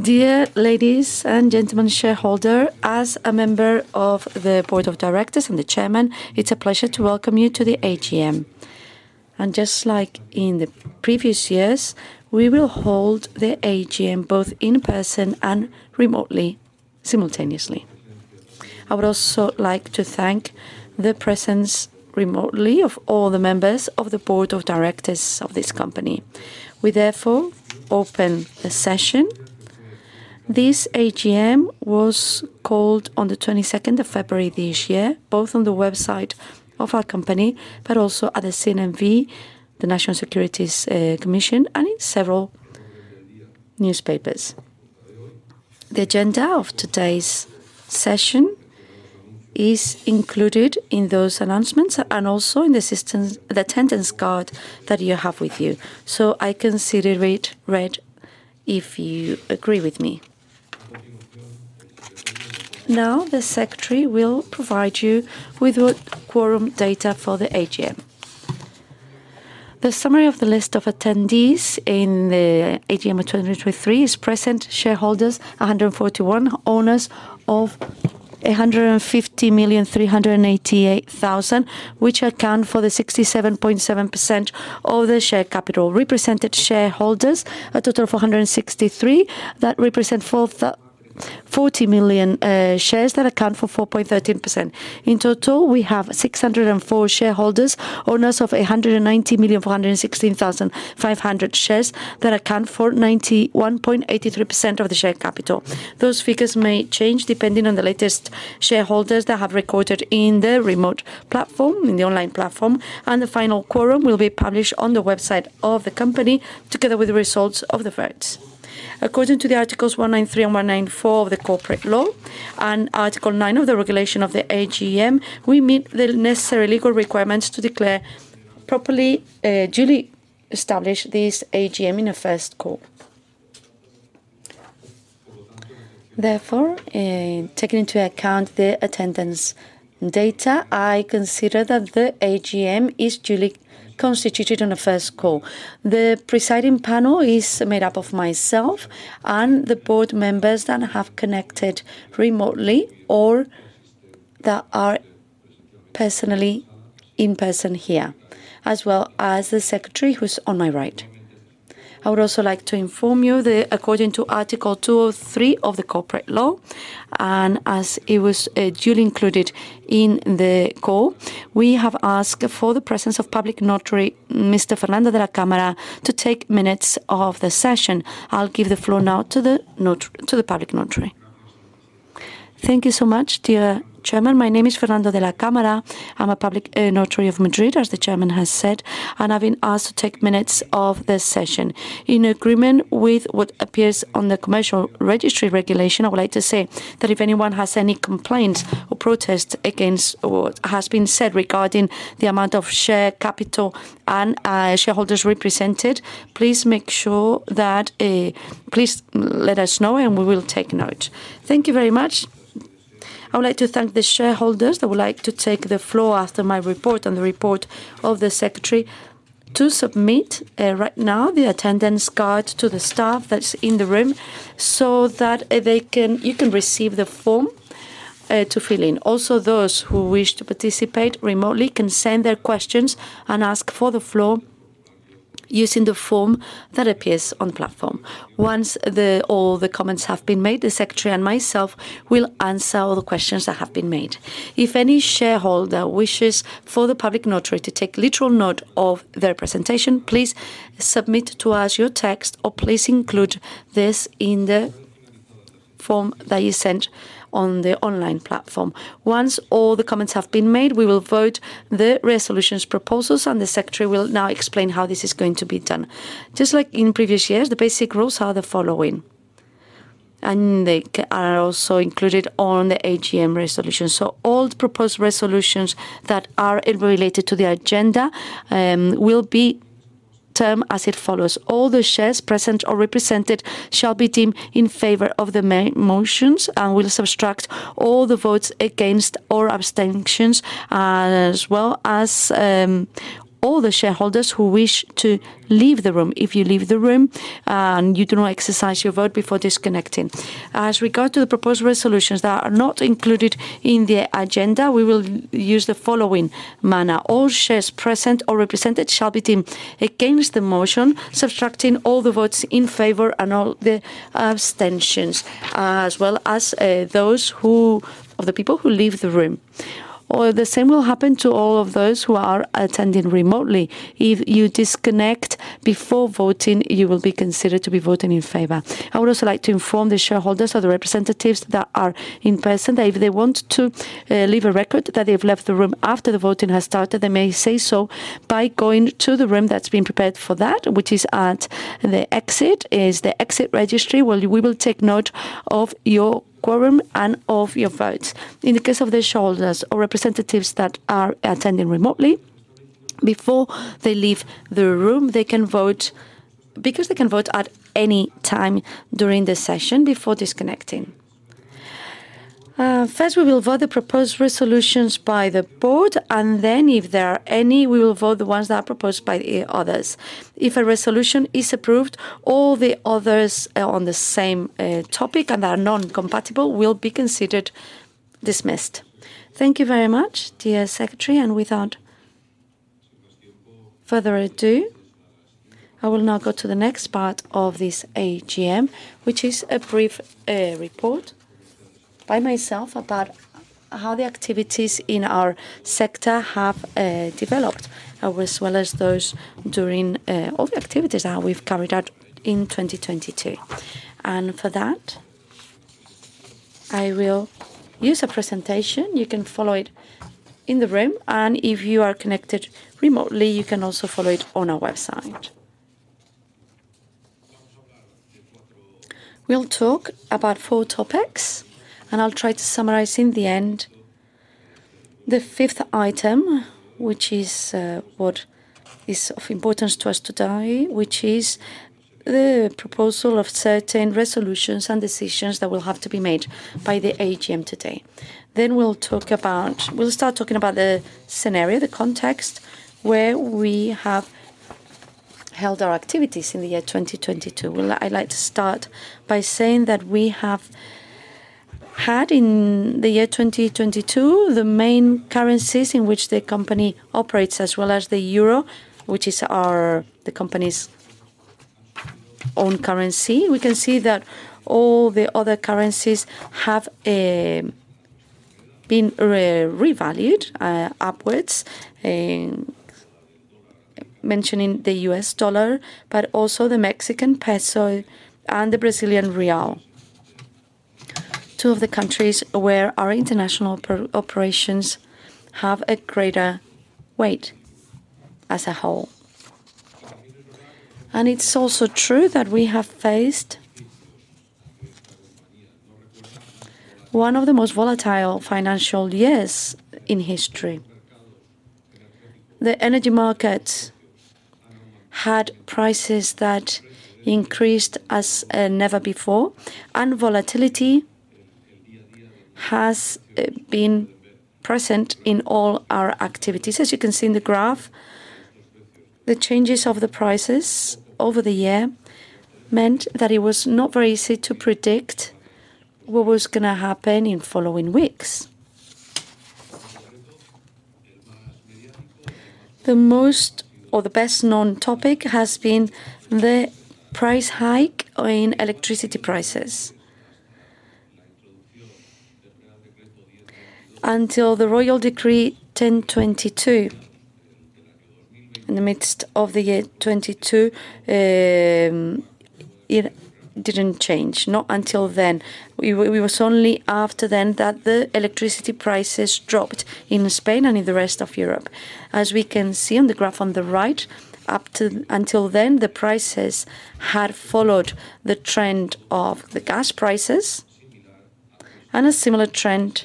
Dear ladies and gentlemen, shareholder, as a member of the board of directors and the Chairman, it's a pleasure to welcome you to the AGM. Just like in the previous years, we will hold the AGM both in person and remotely, simultaneously. I would also like to thank the presence remotely of all the members of the board of directors of this company. We therefore open the session. This AGM was called on the 22nd of February this year, both on the website of our company, but also at the CNMV, the National Securities Commission, and in several newspapers. The agenda of today's session is included in those announcements and also in the systems the attendance card that you have with you. I consider it read if you agree with me. Now, the secretary will provide you with the quorum data for the AGM. The summary of the list of attendees in the AGM of 2023 is present shareholders, 141, owners of 150,388,000, which account for the 67.7% of the share capital. Represented shareholders, a total of 463, that represent 40,000,000 shares that account for 4.13%. In total, we have 604 shareholders, owners of 190,416,500 shares that account for 91.83% of the share capital. Those figures may change depending on the latest shareholders that have recorded in the remote platform, in the online platform, and the final quorum will be published on the website of the company, together with the results of the votes. According to the Articles 193 and 194 of the Capital Companies Act and Article 9 of the regulation of the AGM, we meet the necessary legal requirements to declare properly, duly established this AGM in a first call. Taking into account the attendance data, I consider that the AGM is duly constituted on a first call. The presiding panel is made up of myself and the board members that have connected remotely or that are personally in person here, as well as the secretary who's on my right. I would also like to inform you that according to Article 203 of the Capital Companies Act, and as it was duly included in the call, we have asked for the presence of public notary, Mr. Fernando de la Cámara, to take minutes of the session. I'll give the floor now to the public notary. Thank you so much, dear chairman. My name is Fernando de la Cámara. I'm a public notary of Madrid, as the chairman has said, and I've been asked to take minutes of this session. In agreement with what appears on the Commercial Registry regulation, I would like to say that if anyone has any complaints or protests against what has been said regarding the amount of share capital and shareholders represented, please make sure that, please let us know, and we will take note. Thank you very much. I would like to thank the shareholders that would like to take the floor after my report and the report of the secretary to submit right now the attendance card to the staff that's in the room, so that they can. You can receive the form to fill in. Those who wish to participate remotely can send their questions and ask for the floor using the form that appears on platform. Once all the comments have been made, the secretary and myself will answer all the questions that have been made. If any shareholder wishes for the public notary to take literal note of their presentation, please submit to us your text, or please include this in the form that you sent on the online platform. Once all the comments have been made, we will vote the resolutions proposals. The secretary will now explain how this is going to be done. Just like in previous years, the basic rules are the following. They are also included on the AGM resolution. All proposed resolutions that are related to the agenda will be termed as it follows. All the shares present or represented shall be deemed in favor of the motions and will subtract all the votes against or abstentions, as well as all the shareholders who wish to leave the room. If you leave the room and you do not exercise your vote before disconnecting. As regard to the proposed resolutions that are not included in the agenda, we will use the following manner. All shares present or represented shall be deemed against the motion, subtracting all the votes in favor and all the abstentions, as well as the people who leave the room. The same will happen to all of those who are attending remotely. If you disconnect before voting, you will be considered to be voting in favor. I would also like to inform the shareholders or the representatives that are in person that if they want to leave a record that they have left the room after the voting has started, they may say so by going to the room that's been prepared for that, which is at the exit. Is the exit registry, where we will take note of your quorum and of your votes. In the case of the shareholders or representatives that are attending remotely, before they leave the room, they can vote, because they can vote at any time during the session before disconnecting. First we will vote the proposed resolutions by the board. If there are any, we will vote the ones that are proposed by the others. If a resolution is approved, all the others on the same topic and are non-compatible, will be considered dismissed. Thank you very much, dear secretary. Without further ado, I will now go to the next part of this AGM, which is a brief report by myself about how the activities in our sector have developed as well as those during all the activities how we've carried out in 2022. For that, I will use a presentation. You can follow it in the room, and if you are connected remotely, you can also follow it on our website. We'll talk about four topics, and I'll try to summarize in the end the fifth item, which is what is of importance to us today, which is the proposal of certain resolutions and decisions that will have to be made by the AGM today. We'll talk about We'll start talking about the scenario, the context where we have held our activities in the year 2022. I'd like to start by saying that we have had, in the year 2022, the main currencies in which the company operates, as well as the euro, which is our, the company's own currency. We can see that all the other currencies have been revalued upwards, mentioning the US dollar, but also the Mexican peso and the Brazilian real, two of the countries where our international operations have a greater weight as a whole. It's also true that we have faced one of the most volatile financial years in history. The energy market had prices that increased as never before, and volatility has been present in all our activities. As you can see in the graph, the changes of the prices over the year meant that it was not very easy to predict what was gonna happen in following weeks. The most or the best-known topic has been the price hike in electricity prices. Until the Royal Decree 10/2022, in the midst of the year 2022, it didn't change. Not until then. We was only after then that the electricity prices dropped in Spain and in the rest of Europe. As we can see on the graph on the right, until then, the prices had followed the trend of the gas prices and a similar trend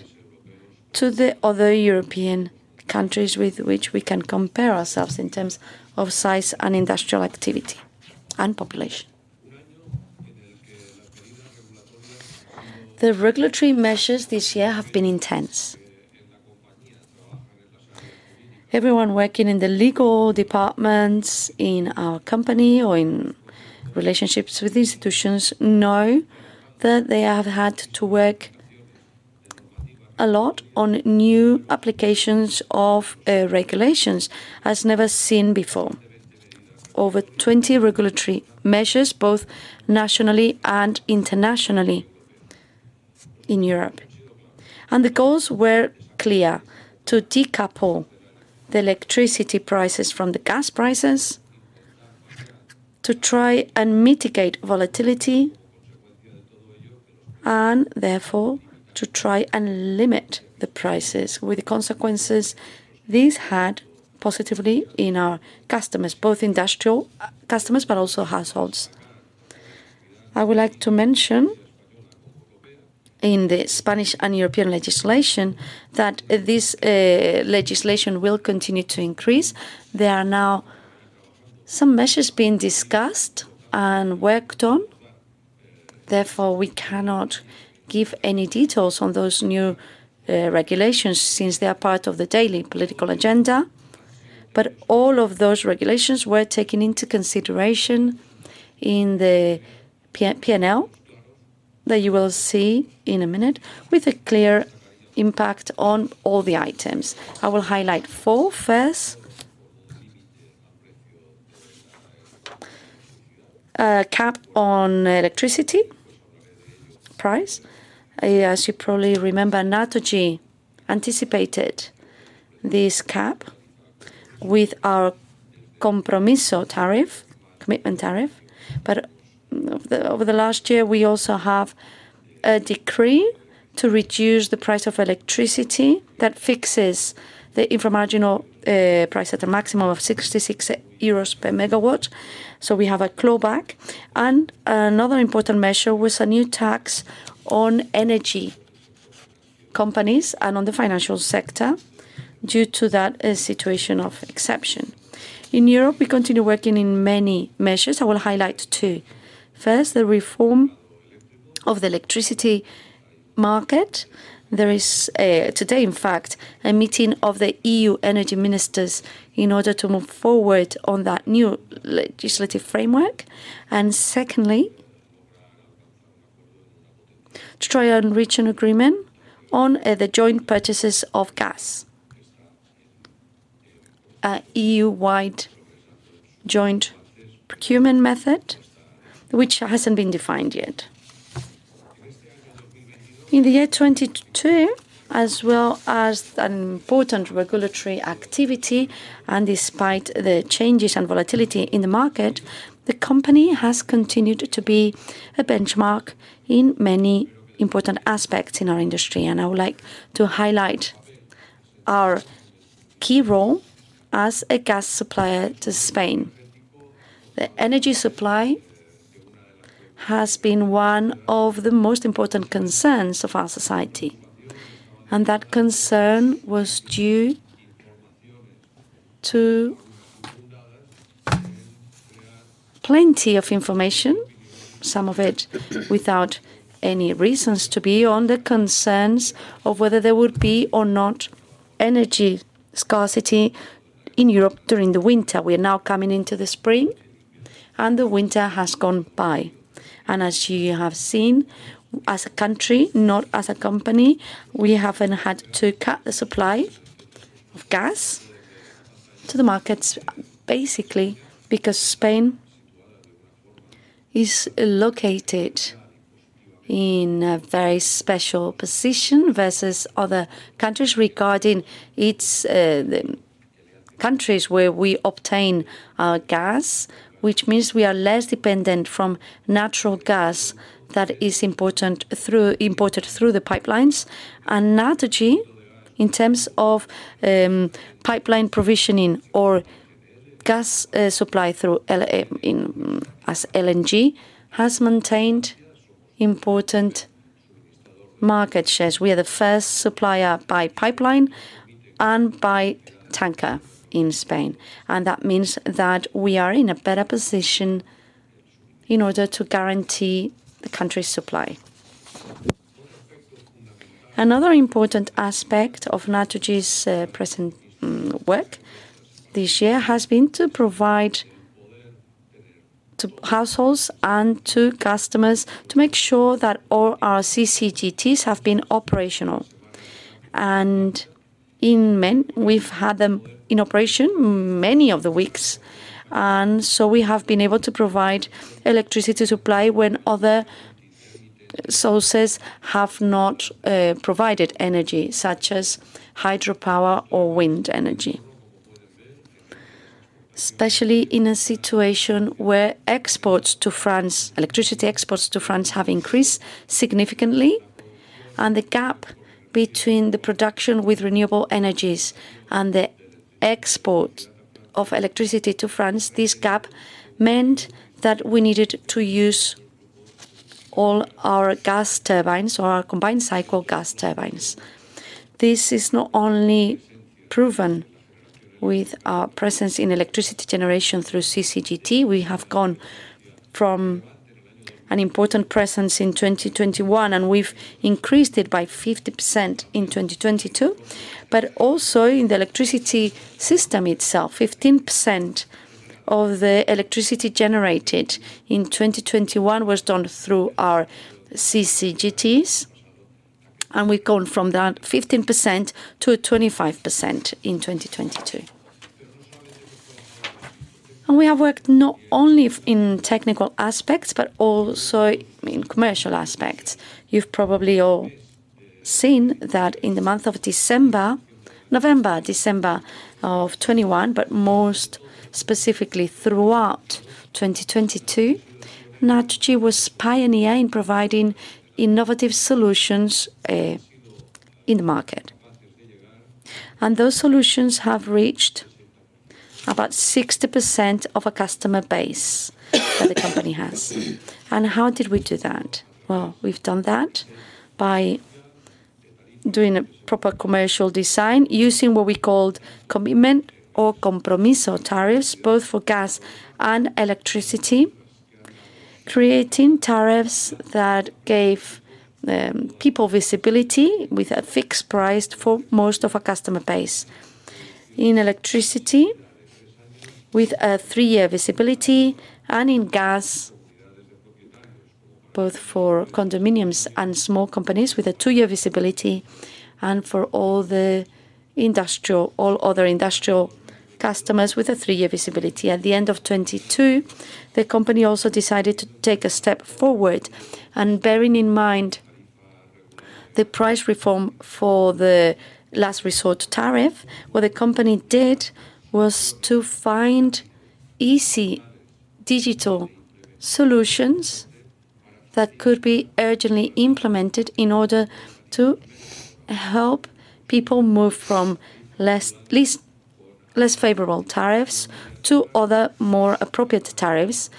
to the other European countries with which we can compare ourselves in terms of size and industrial activity and population. The regulatory measures this year have been intense. Everyone working in the legal departments in our company or in relationships with institutions know that they have had to work a lot on new applications of regulations as never seen before. Over 20 regulatory measures, both nationally and internationally in Europe. The goals were clear: to decouple the electricity prices from the gas prices, to try and mitigate volatility, and therefore, to try and limit the prices with the consequences these had positively in our customers, both industrial customers, but also households. I would like to mention in the Spanish and European legislation that this legislation will continue to increase. There are now some measures being discussed and worked on. Therefore, we cannot give any details on those new regulations since they are part of the daily political agenda. All of those regulations were taken into consideration in the P&L that you will see in a minute with a clear impact on all the items. I will highlight four. First, cap on electricity price. As you probably remember, Naturgy anticipated this cap with our compromiso tariff, commitment tariff. Over the last year, we also have a decree to reduce the price of electricity that fixes the inframarginal price at a maximum of 66 euros per megawatt, so we have a clawback. Another important measure was a new tax on energy companies and on the financial sector due to that situation of exception. In Europe, we continue working in many measures. I will highlight two. First, the reform of the electricity market. There is, today, in fact, a meeting of the EU energy ministers in order to move forward on that new legislative framework, and secondly, to try and reach an agreement on, the joint purchases of gas. A EU-wide joint procurement method, which hasn't been defined yet. In 2022, as well as an important regulatory activity, and despite the changes and volatility in the market, the company has continued to be a benchmark in many important aspects in our industry, and I would like to highlight our key role as a gas supplier to Spain. The energy supply has been one of the most important concerns of our society, and that concern was due to plenty of information, some of it without any reasons to be, on the concerns of whether there would be or not energy scarcity in Europe during the winter. We are now coming into the spring, the winter has gone by. As you have seen, as a country, not as a company, we haven't had to cut the supply of gas to the markets, basically because Spain is located in a very special position versus other countries regarding its the countries where we obtain our gas, which means we are less dependent from natural gas that is imported through the pipelines. Naturgy, in terms of pipeline provisioning or gas supply as LNG, has maintained important market shares. We are the first supplier by pipeline and by tanker in Spain, that means that we are in a better position in order to guarantee the country's supply. Another important aspect of Naturgy's present work this year has been to provide to households and to customers to make sure that all our CCGTs have been operational. We've had them in operation many of the weeks, and so we have been able to provide electricity supply when other sources have not provided energy, such as hydropower or wind energy. Especially in a situation where exports to France, electricity exports to France have increased significantly and the gap between the production with renewable energies and the export of electricity to France, this gap meant that we needed to use all our gas turbines or our combined-cycle gas turbines. This is not only proven with our presence in electricity generation through CCGT. We have gone from an important presence in 2021, and we've increased it by 50% in 2022. In the electricity system itself, 15% of the electricity generated in 2021 was done through our CCGTs, and we've gone from that 15% to a 25% in 2022. We have worked not only in technical aspects, but also in commercial aspects. You've probably all seen that in the month of November, December of 2021, but most specifically throughout 2022, Naturgy was pioneer in providing innovative solutions in the market. Those solutions have reached about 60% of a customer base that the company has. How did we do that? Well, we've done that by doing a proper commercial design using what we called commitment or Compromiso tariffs, both for gas and electricity, creating tariffs that gave people visibility with a fixed price for most of our customer base. In electricity, with a three-year visibility, and in gas, both for condominiums and small companies with a two-year visibility, and for all other industrial customers with a three-year visibility. At the end of 2022, the company also decided to take a step forward, and bearing in mind the price reform for the Last Resort Tariff, what the company did was to find easy digital solutions that could be urgently implemented in order to help people move from less favorable tariffs to other more appropriate tariffs,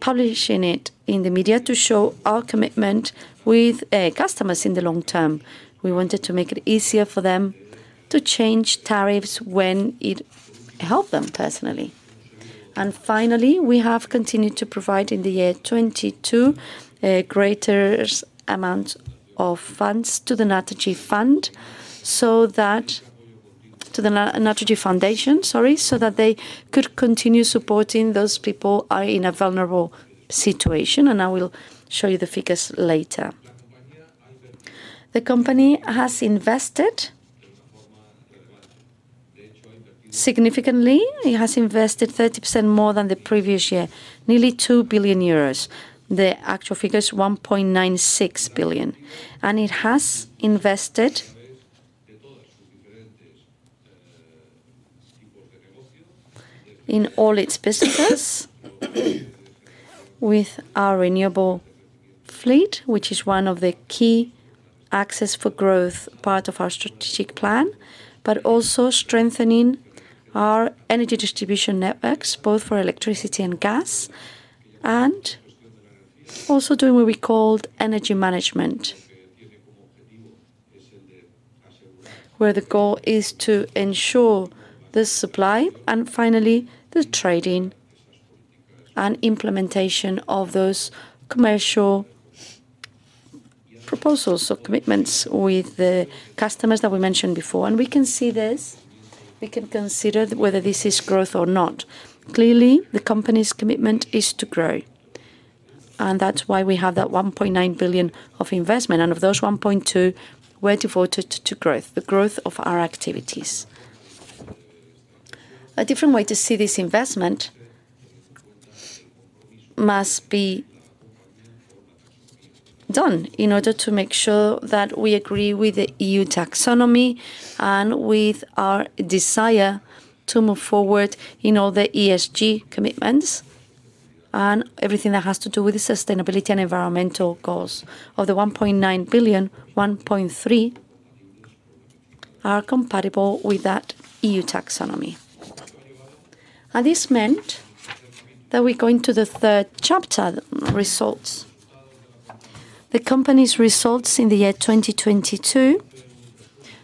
publishing it in the media to show our commitment with customers in the long term. We wanted to make it easier for them to change tariffs when it helped them personally. Finally, we have continued to provide in the year 2022 a greater amount of funds to the Naturgy Fund, so that to the Naturgy Foundation, sorry, so that they could continue supporting those people in a vulnerable situation, I will show you the figures later. The company has invested significantly. It has invested 30% more than the previous year, nearly 2 billion euros. The actual figure is 1.96 billion. It has invested in all its businesses with our renewable fleet, which is one of the key axes for growth part of our strategic plan. Also strengthening our energy distribution networks, both for electricity and gas. Also doing what we called energy management, where the goal is to ensure the supply, and finally, the trading and implementation of those commercial proposals or commitments with the customers that we mentioned before. We can see this, we can consider whether this is growth or not. Clearly, the company's commitment is to grow, that's why we have that 1.9 billion of investment. Of those, 1.2 were devoted to growth, the growth of our activities. A different way to see this investment must be done in order to make sure that we agree with the EU taxonomy and with our desire to move forward in all the ESG commitments and everything that has to do with the sustainability and environmental goals. Of the 1.9 billion, 1.3 are compatible with that EU taxonomy. This meant that we go into the third chapter, results. The company's results in the year 2022,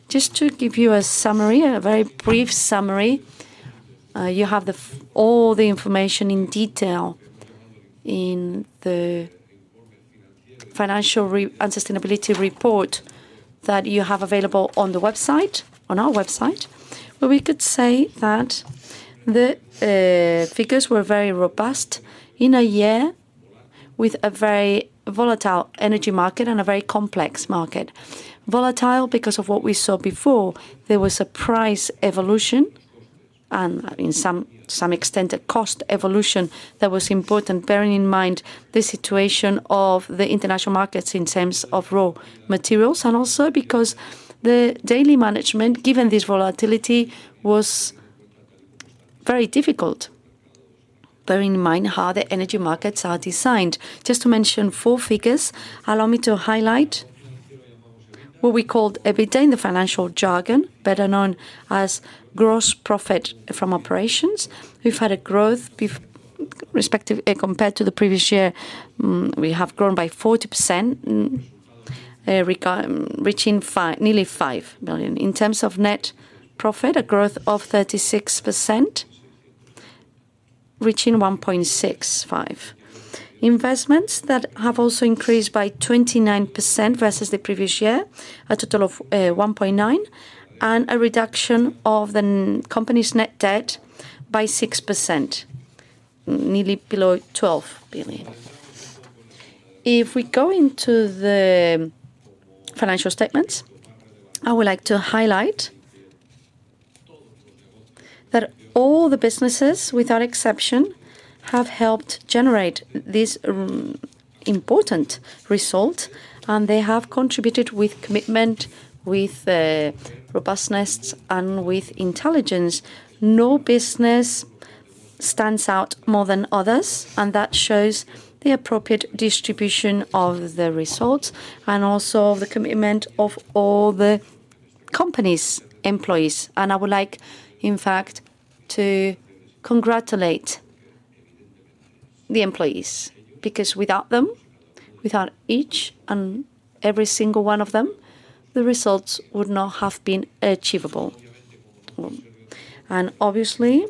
just to give you a summary, a very brief summary, you have all the information in detail in the financial and sustainability report that you have available on the website, on our website. We could say that the figures were very robust in a year with a very volatile energy market and a very complex market. Volatile because of what we saw before. There was a price evolution and, in some extent, a cost evolution that was important, bearing in mind the situation of the international markets in terms of raw materials, and also because the daily management, given this volatility, was very difficult, bearing in mind how the energy markets are designed. Just to mention four figures, allow me to highlight what we called EBITDA in the financial jargon, better known as gross profit from operations. We've had a growth compared to the previous year, we have grown by 40%, reaching nearly 5 billion. In terms of net profit, a growth of 36%, reaching 1.65 billion. Investments that have also increased by 29% versus the previous year, a total of 1.9 billion, and a reduction of the company's net debt by 6%, nearly below 12 billion. If we go into the financial statements, I would like to highlight that all the businesses, without exception, have helped generate this important result, and they have contributed with commitment, with robustness, and with intelligence. No business stands out more than others, that shows the appropriate distribution of the results and also the commitment of all the company's employees. I would like, in fact, to congratulate the employees, because without them, without each and every single one of them, the results would not have been achievable. Obviously,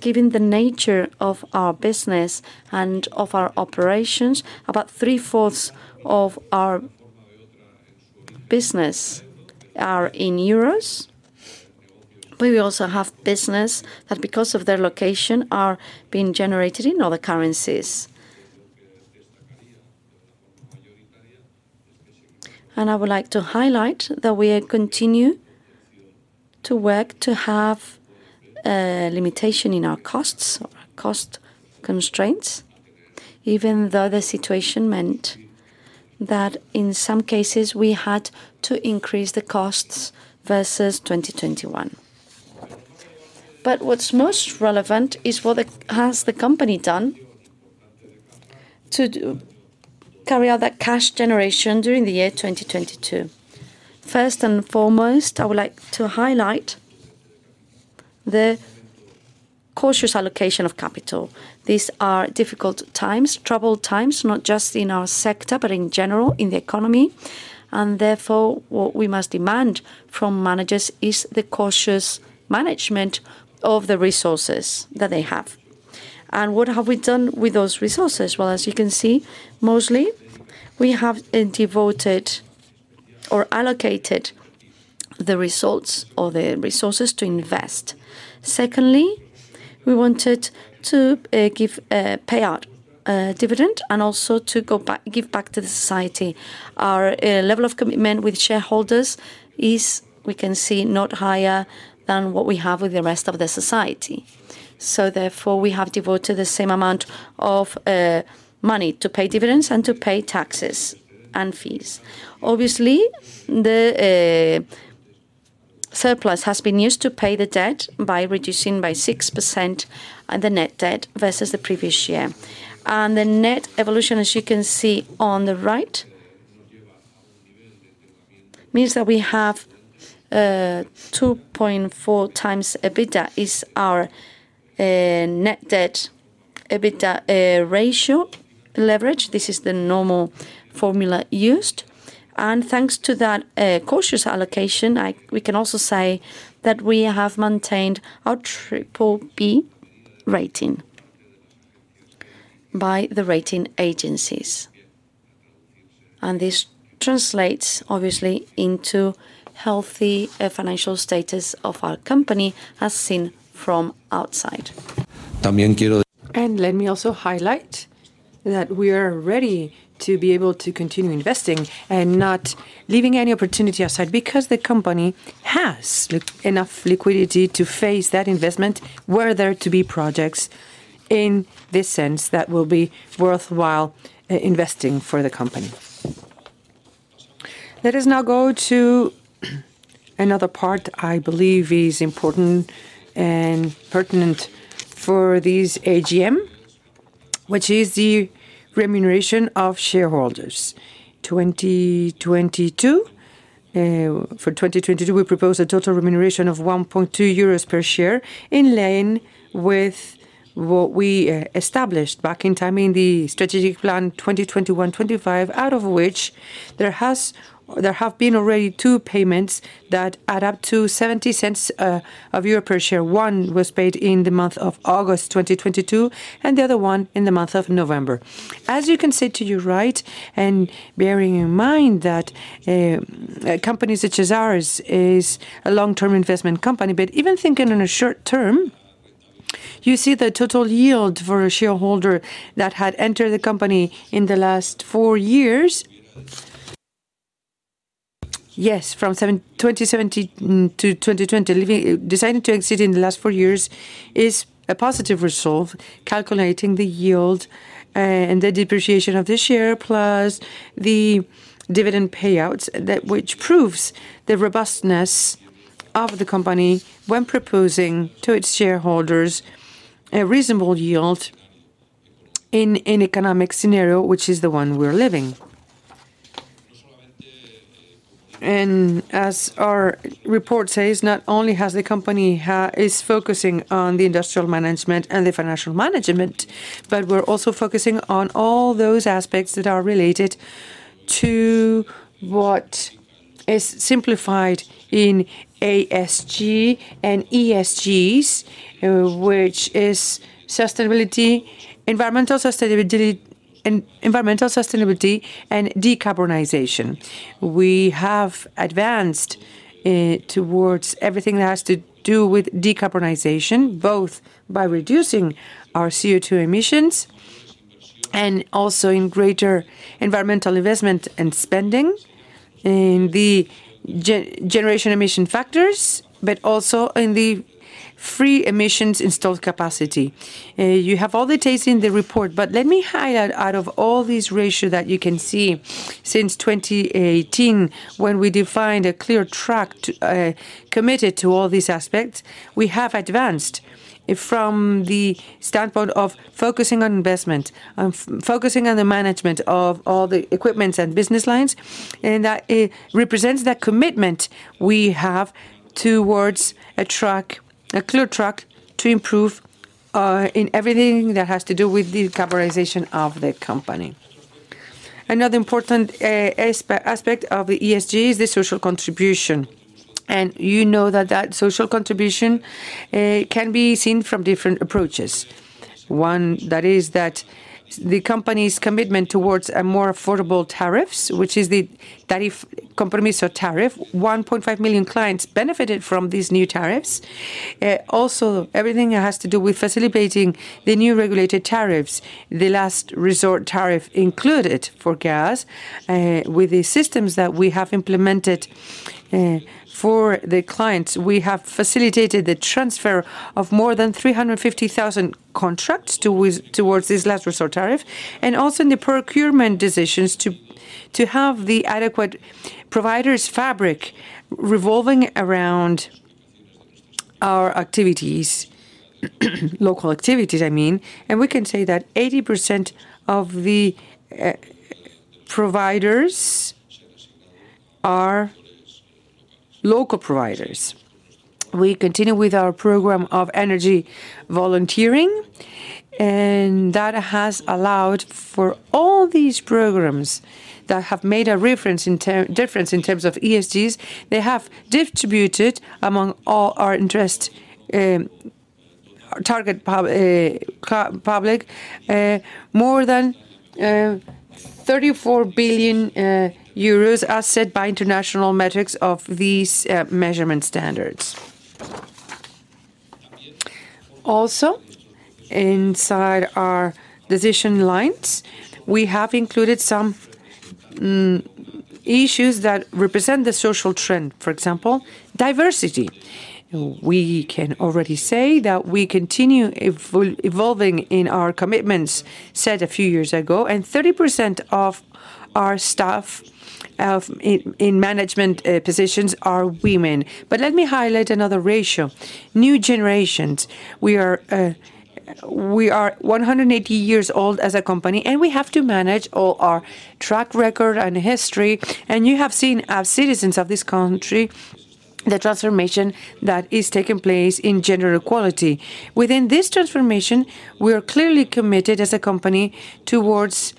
given the nature of our business and of our operations, about three-fourths of our business are in euros. We will also have business that, because of their location, are being generated in other currencies. I would like to highlight that we continue to work to have a limitation in our costs, cost constraints, even though the situation meant that in some cases we had to increase the costs versus 2021. What's most relevant is what the has the company done to carry out that cash generation during the year 2022. First and foremost, I would like to highlight the cautious allocation of capital These are difficult times, troubled times, not just in our sector, but in general in the economy. Therefore, what we must demand from managers is the cautious management of the resources that they have. What have we done with those resources? Well, as you can see, mostly we have devoted or allocated the results or the resources to invest. Secondly, we wanted to give a payout, a dividend, and also to give back to the society. Our level of commitment with shareholders is, we can see, not higher than what we have with the rest of the society. Therefore, we have devoted the same amount of money to pay dividends and to pay taxes and fees. Obviously, the surplus has been used to pay the debt by reducing by 6% the net debt versus the previous year. The net evolution, as you can see on the right, means that we have 2.4 times EBITDA is our net debt/EBITDA ratio leverage. This is the normal formula used. Thanks to that cautious allocation, we can also say that we have maintained our BBB rating by the rating agencies. This translates, obviously, into healthy financial status of our company as seen from outside. Let me also highlight that we are ready to be able to continue investing and not leaving any opportunity aside because the company has enough liquidity to face that investment were there to be projects in this sense that will be worthwhile investing for the company. Let us now go to another part I believe is important and pertinent for this AGM, which is the remuneration of shareholders. 2022. For 2022, we propose a total remuneration of 1.2 euros per share, in line with what we established back in time in the strategic plan 2021-2025, out of which there have been already two payments that add up to 0.70 per share. One was paid in the month of August 2022, the other one in the month of November. As you can see to your right, and bearing in mind that a company such as ours is a long-term investment company, but even thinking in the short term, you see the total yield for a shareholder that had entered the company in the last 4 years. Yes, from 2070 to 2020. Leaving. Deciding to exit in the last four years is a positive result, calculating the yield, and the depreciation of the share, plus the dividend payouts that which proves the robustness of the company when proposing to its shareholders a reasonable yield in an economic scenario, which is the one we're living. As our report says, not only has the company is focusing on the industrial management and the financial management, but we're also focusing on all those aspects that are related to what is simplified in ASG and ESG, which is sustainability, environmental sustainability and decarbonization. We have advanced towards everything that has to do with decarbonization, both by reducing our CO2 emissions and also in greater environmental investment and spending in the generation emission factors, but also in the free emissions installed capacity. You have all the data in the report, let me highlight out of all these ratio that you can see since 2018 when we defined a clear track to committed to all these aspects. We have advanced from the standpoint of focusing on investment, focusing on the management of all the equipments and business lines, that represents that commitment we have towards a track, a clear track to improve in everything that has to do with the decarbonization of the company. Another important aspect of the ESG is the social contribution. You know that that social contribution can be seen from different approaches. One that is that the company's commitment towards a more affordable tariffs, which is the Tarifa Compromiso tariff. 1.5 million clients benefited from these new tariffs. Also everything that has to do with facilitating the new regulated tariffs, the Last Resort Tariff included for gas. With the systems that we have implemented for the clients, we have facilitated the transfer of more than 350,000 contracts towards this Last Resort Tariff. Also in the procurement decisions to have the adequate providers fabric revolving around our activities, local activities, I mean. We can say that 80% of the providers are local providers. We continue with our program of energy volunteering, and that has allowed for all these programs that have made a reference in difference in terms of ESGs, they have distributed among all our interest in target public, more than 34 billion euros, as said by international metrics of these measurement standards. Inside our decision lines, we have included some issues that represent the social trend, for example, diversity. We can already say that we continue evolving in our commitments set a few years ago, and 30% of our staff in management positions are women. Let me highlight another ratio, new generations. We are 180 years old as a company, and we have to manage all our track record and history, and you have seen as citizens of this country, the transformation that is taking place in gender equality. Within this transformation, we are clearly committed as a company towards,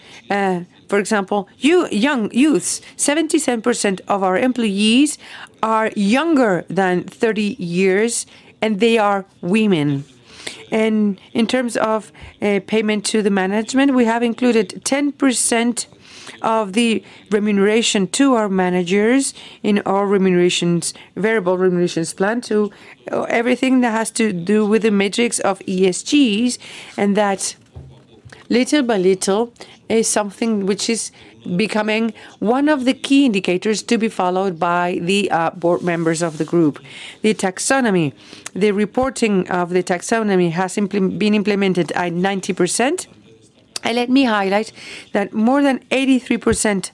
for example, young youths. 77% of our employees are younger than 30 years, and they are women. In terms of a payment to the management, we have included 10% of the remuneration to our managers in our remunerations, variable remunerations plan to everything that has to do with the metrics of ESGs, and that little by little is something which is becoming one of the key indicators to be followed by the board members of the group. The taxonomy, the reporting of the taxonomy has been implemented at 90%. Let me highlight that more than 83%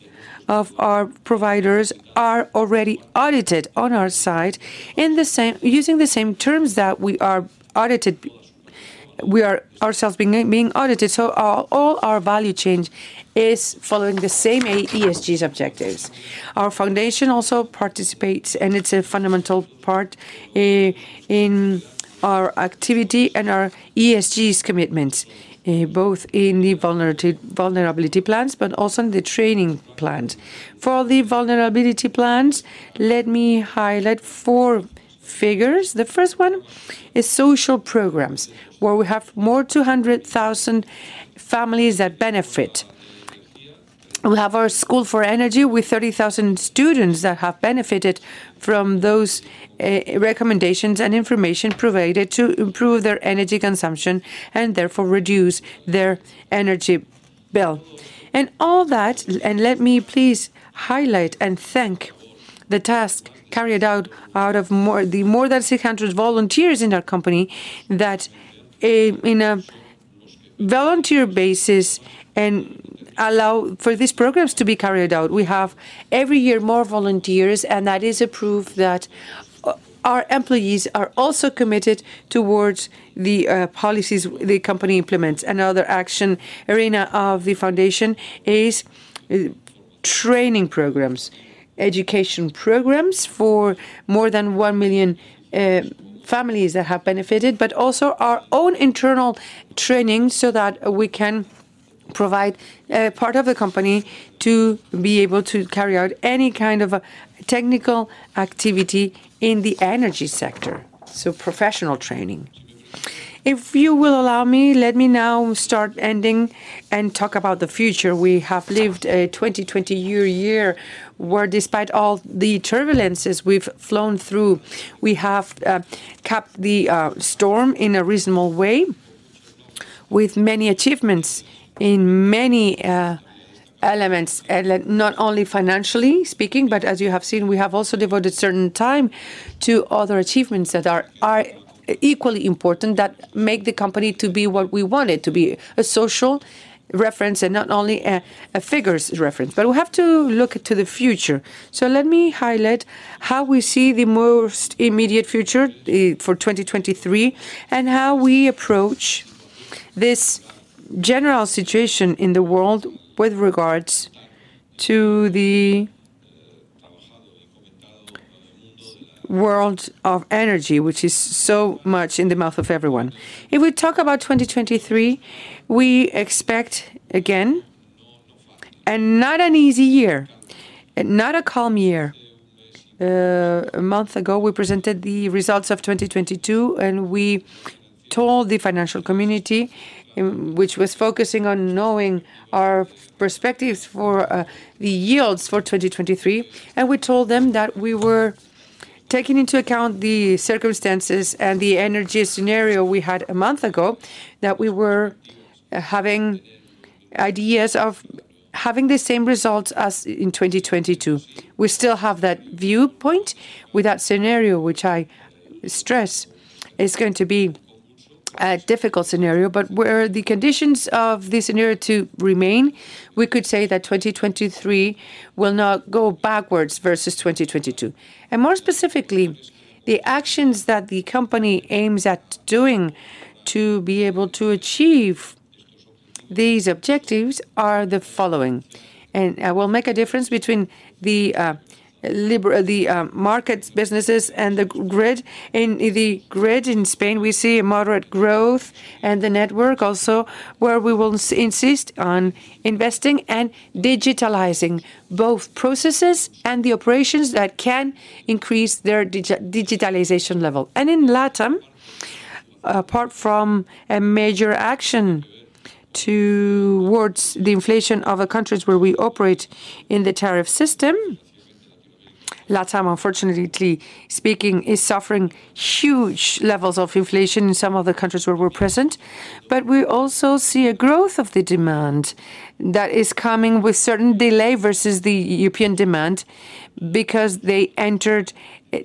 of our providers are already audited on our side in the same using the same terms that we are audited, we are ourselves being audited. All our value change is following the same ESGs objectives. Our foundation also participates, and it's a fundamental part, in our activity and our ESG commitments, both in the vulnerability plans, but also in the training plans. For the vulnerability plans, let me highlight four figures. The first one is social programs, where we have more 200,000 families that benefit. We have our school for energy with 30,000 students that have benefited from those recommendations and information provided to improve their energy consumption, and therefore reduce their energy bill. All that, and let me please highlight and thank the task carried out of more than 600 volunteers in our company that, in a volunteer basis and allow for these programs to be carried out. We have every year more volunteers. That is a proof that our employees are also committed towards the policies the company implements. Another action arena of the foundation is training programs, education programs for more than 1 million families that have benefited. Also our own internal training so that we can provide a part of the company to be able to carry out any kind of technical activity in the energy sector. Professional training. If you will allow me, let me now start ending and talk about the future. We have lived a 2020 year, where despite all the turbulences we've flown through, we have kept the storm in a reasonable way with many achievements in many elements, not only financially speaking, but as you have seen, we have also devoted certain time to other achievements that are equally important that make the company to be what we want it to be, a social reference and not only a figures reference. We have to look to the future. Let me highlight how we see the most immediate future for 2023, and how we approach this general situation in the world with regards to the world of energy, which is so much in the mouth of everyone. If we talk about 2023, we expect again, and not an easy year and not a calm year. A month ago, we presented the results of 2022. We told the financial community, which was focusing on knowing our perspectives for the yields for 2023, that we were taking into account the circumstances and the energy scenario we had a month ago, that we were having ideas of having the same results as in 2022. We still have that viewpoint with that scenario, which I stress is going to be a difficult scenario. Were the conditions of the scenario to remain, we could say that 2023 will not go backwards versus 2022. More specifically, the actions that the company aims at doing to be able to achieve these objectives are the following. I will make a difference between the markets, businesses, and the grid. In the grid in Spain, we see a moderate growth and the network also where we will insist on investing and digitalizing both processes and the operations that can increase their digitalization level. In LatAm, apart from a major action towards the inflation of the countries where we operate in the tariff system, LatAm, unfortunately speaking, is suffering huge levels of inflation in some of the countries where we're present. We also see a growth of the demand that is coming with certain delay versus the European demand because they entered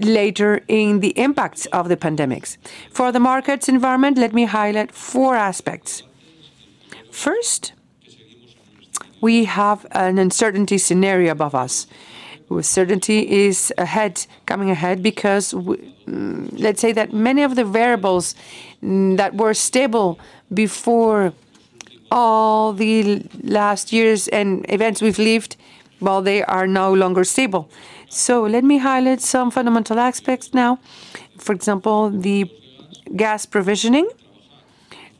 later in the impacts of the pandemics. For the markets environment, let me highlight four aspects. First, we have an uncertainty scenario above us. Uncertainty is ahead, coming ahead because let's say that many of the variables that were stable before all the last years and events we've lived, well, they are no longer stable. Let me highlight some fundamental aspects now. For example, the gas provisioning.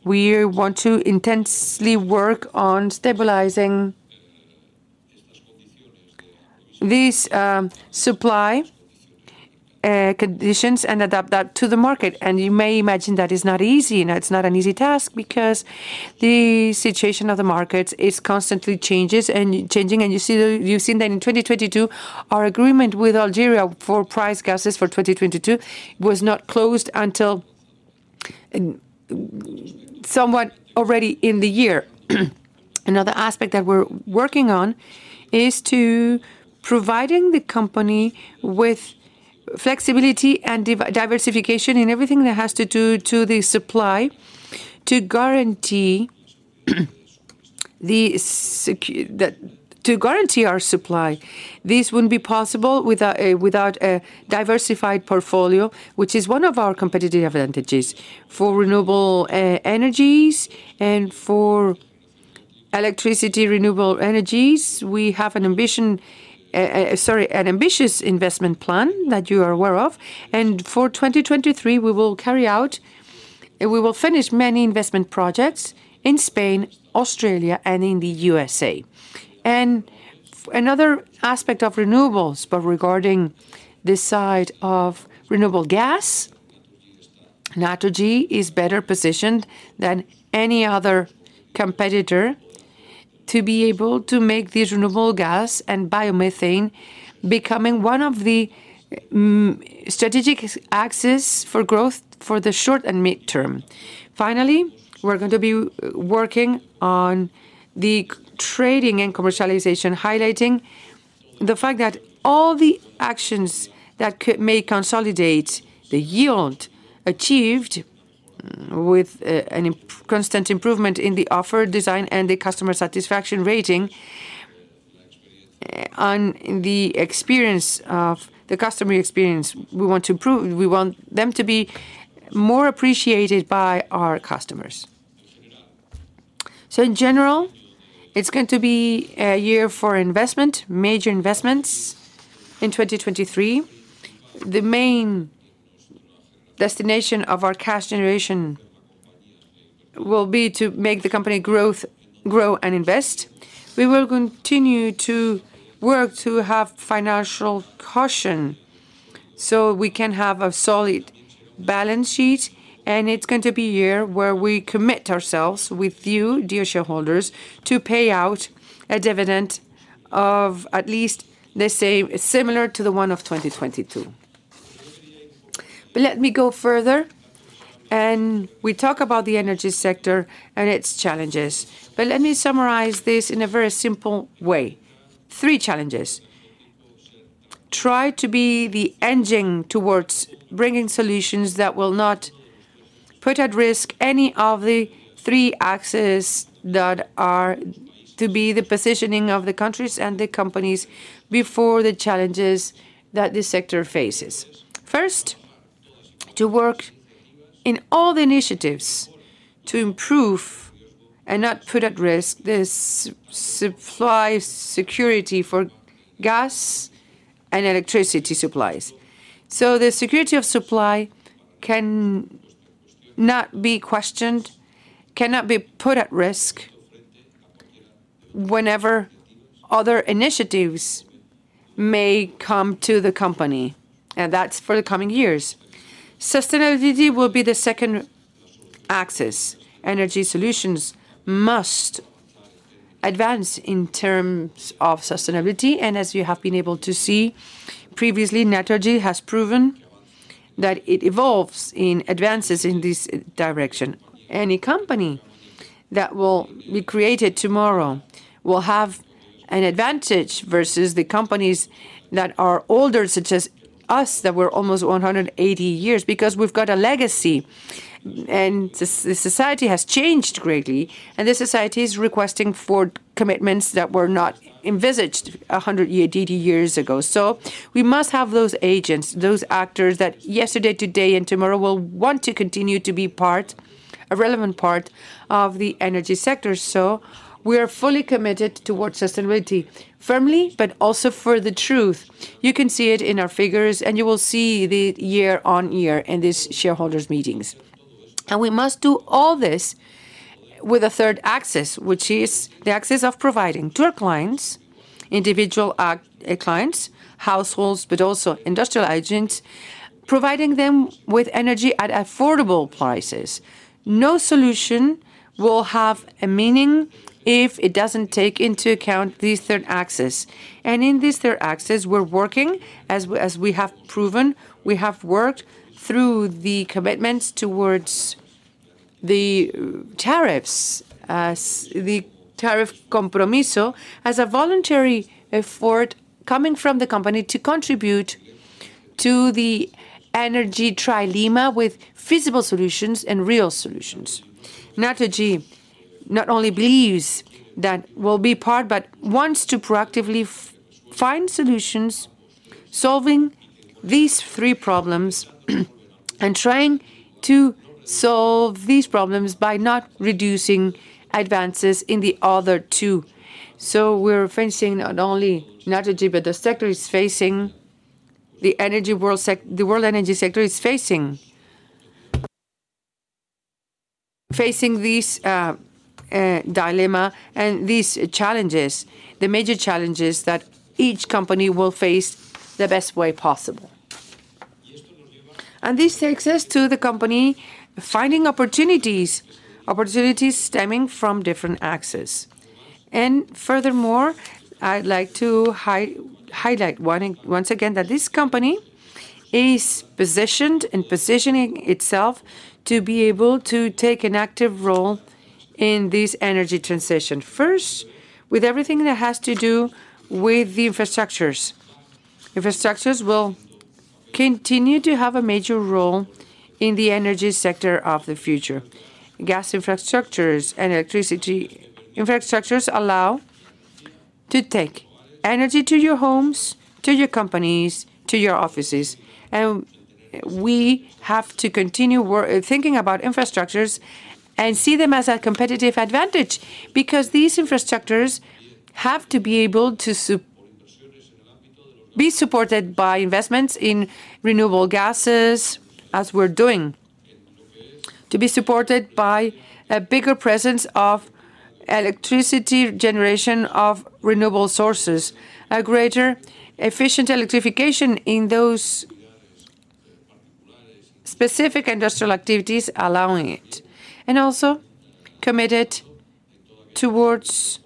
We want to intensely work on stabilizing these supply conditions and adapt that to the market. You may imagine that is not easy. You know, it's not an easy task because the situation of the market is constantly changes and changing. You've seen that in 2022, our agreement with Algeria for price gases for 2022 was not closed until in, somewhat already in the year. Another aspect that we're working on is to providing the company with flexibility and diversification in everything that has to do to the supply to guarantee our supply. This wouldn't be possible without a diversified portfolio, which is one of our competitive advantages. For renewable energies and for electricity renewable energies, we have an ambition, sorry, an ambitious investment plan that you are aware of. For 2023, we will carry out and we will finish many investment projects in Spain, Australia, and in the USA. Another aspect of renewables, but regarding the side of renewable gas, Naturgy is better positioned than any other competitor to be able to make this renewable gas and biomethane becoming one of the strategic axis for growth for the short and mid-term. Finally, we're going to be working on the trading and commercialization, highlighting the fact that all the actions that may consolidate the yield achieved with a constant improvement in the offer design and the customer satisfaction rating on the customer experience, we want to improve. We want them to be more appreciated by our customers. In general, it's going to be a year for investment, major investments in 2023. The main destination of our cash generation will be to make the company grow and invest. We will continue to work to have financial caution so we can have a solid balance sheet, and it's going to be a year where we commit ourselves with you, dear shareholders, to pay out a dividend of at least the same, similar to the one of 2022. Let me go further, and we talk about the energy sector and its challenges. Let me summarize this in a very simple way. Three challenges. Try to be the engine towards bringing solutions that will not put at risk any of the three axes that are to be the positioning of the countries and the companies before the challenges that this sector faces. First, to work in all the initiatives to improve and not put at risk the supply security for gas and electricity supplies. The security of supply can not be questioned, cannot be put at risk whenever other initiatives may come to the company, and that's for the coming years. Sustainability will be the second axis. Energy solutions must advance in terms of sustainability, and as you have been able to see previously, Naturgy has proven that it evolves in advances in this direction. Any company that will be created tomorrow will have an advantage versus the companies that are older, such as us that we're almost 180 years, because we've got a legacy and society has changed greatly, and the society is requesting for commitments that were not envisaged 80 years ago. We must have those agents, those actors that yesterday, today and tomorrow will want to continue to be part, a relevant part of the energy sector. We are fully committed towards sustainability firmly, but also for the truth. You can see it in our figures, and you will see the year-on-year in these shareholders' meetings. We must do all this with a third axis, which is the axis of providing to our clients, individual clients, households, but also industrial agents, providing them with energy at affordable prices. No solution will have a meaning if it doesn't take into account this third axis. In this third axis, we're working, as we have proven, we have worked through the commitments towards the tariffs, the Tarifa Compromiso, as a voluntary effort coming from the company to contribute to the energy trilemma with feasible solutions and real solutions. Naturgy not only believes that we'll be part, but wants to proactively find solutions, solving these three problems and trying to solve these problems by not reducing advances in the other two. We're facing not only Naturgy, but the sector is facing the energy world the world energy sector is facing this dilemma and these challenges, the major challenges that each company will face the best way possible. This takes us to the company finding opportunities stemming from different axes. Furthermore, I'd like to highlight again, that this company is positioned and positioning itself to be able to take an active role in this energy transition. First, with everything that has to do with the infrastructures. Infrastructures will continue to have a major role in the energy sector of the future. Gas infrastructures and electricity infrastructures allow to take energy to your homes, to your companies, to your offices. We have to continue thinking about infrastructures and see them as a competitive advantage because these infrastructures have to be able to be supported by investments in renewable gases, as we're doing, to be supported by a bigger presence of electricity generation of renewable sources, a greater efficient electrification in those specific industrial activities allowing it. Also committed towards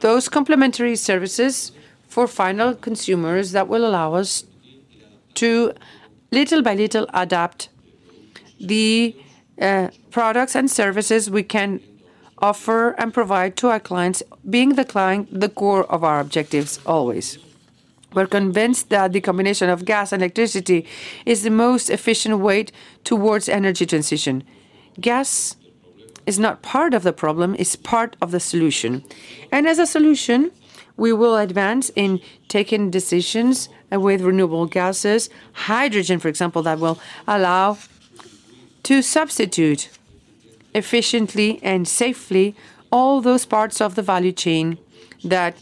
those complementary services for final consumers that will allow us to little by little adapt the products and services we can offer and provide to our clients, being the client the core of our objectives always. We're convinced that the combination of gas and electricity is the most efficient way towards energy transition. Gas is not part of the problem, it's part of the solution. As a solution, we will advance in taking decisions with renewable gases, hydrogen, for example, that will allow to substitute efficiently and safely all those parts of the value chain that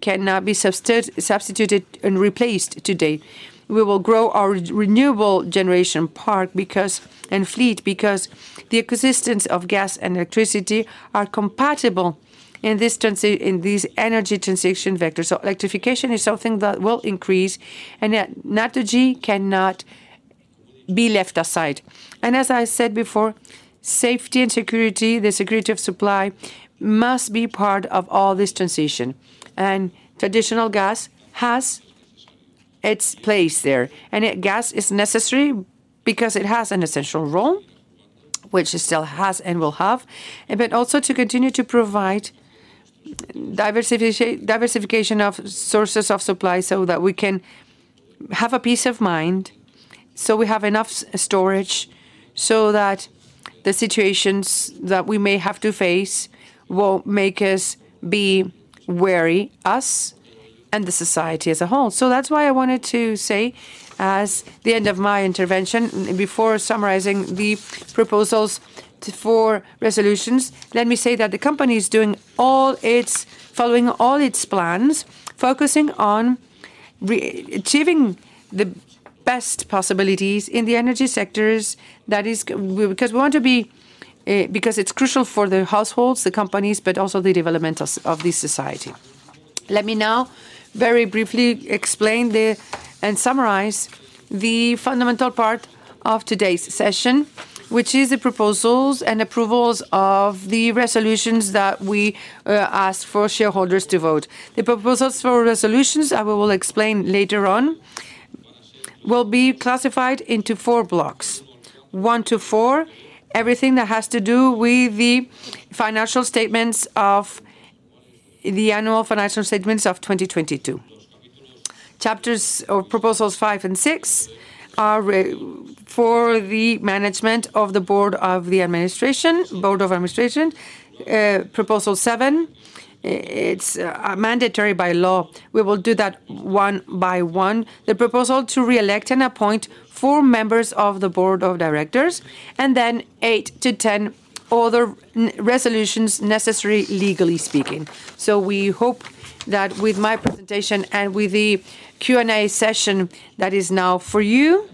cannot be substituted and replaced today. We will grow our renewable generation part because, and fleet, because the coexistence of gas and electricity are compatible in these energy transition vectors. Electrification is something that will increase and that Naturgy cannot be left aside. As I said before, safety and security, the security of supply must be part of all this transition. Traditional gas has its place there. Gas is necessary because it has an essential role, which it still has and will have, but also to continue to provide diversification of sources of supply so that we can have a peace of mind, so we have enough storage, so that the situations that we may have to face won't make us be wary, us and the society as a whole. That's why I wanted to say as the end of my intervention, before summarizing the proposals for resolutions, let me say that the company is following all its plans, focusing on achieving the best possibilities in the energy sectors that is we, because we want to be, because it's crucial for the households, the companies, but also the development of the society. Let me now very briefly explain the, and summarize the fundamental part of today's session, which is the proposals and approvals of the resolutions that we ask for shareholders to vote. The proposals for resolutions, I will explain later on, will be classified into 4 blocks. 1 to 4, everything that has to do with the annual financial statements of 2022. Chapters or proposals 5 and 6 are for the management of the board of the administration, board of administration. Proposal 7, it's mandatory by law. We will do that one by one. The proposal to reelect and appoint 4 members of the board of directors, and then 8-10 other resolutions necessary legally speaking. We hope that with my presentation and with the Q&A session that is now for you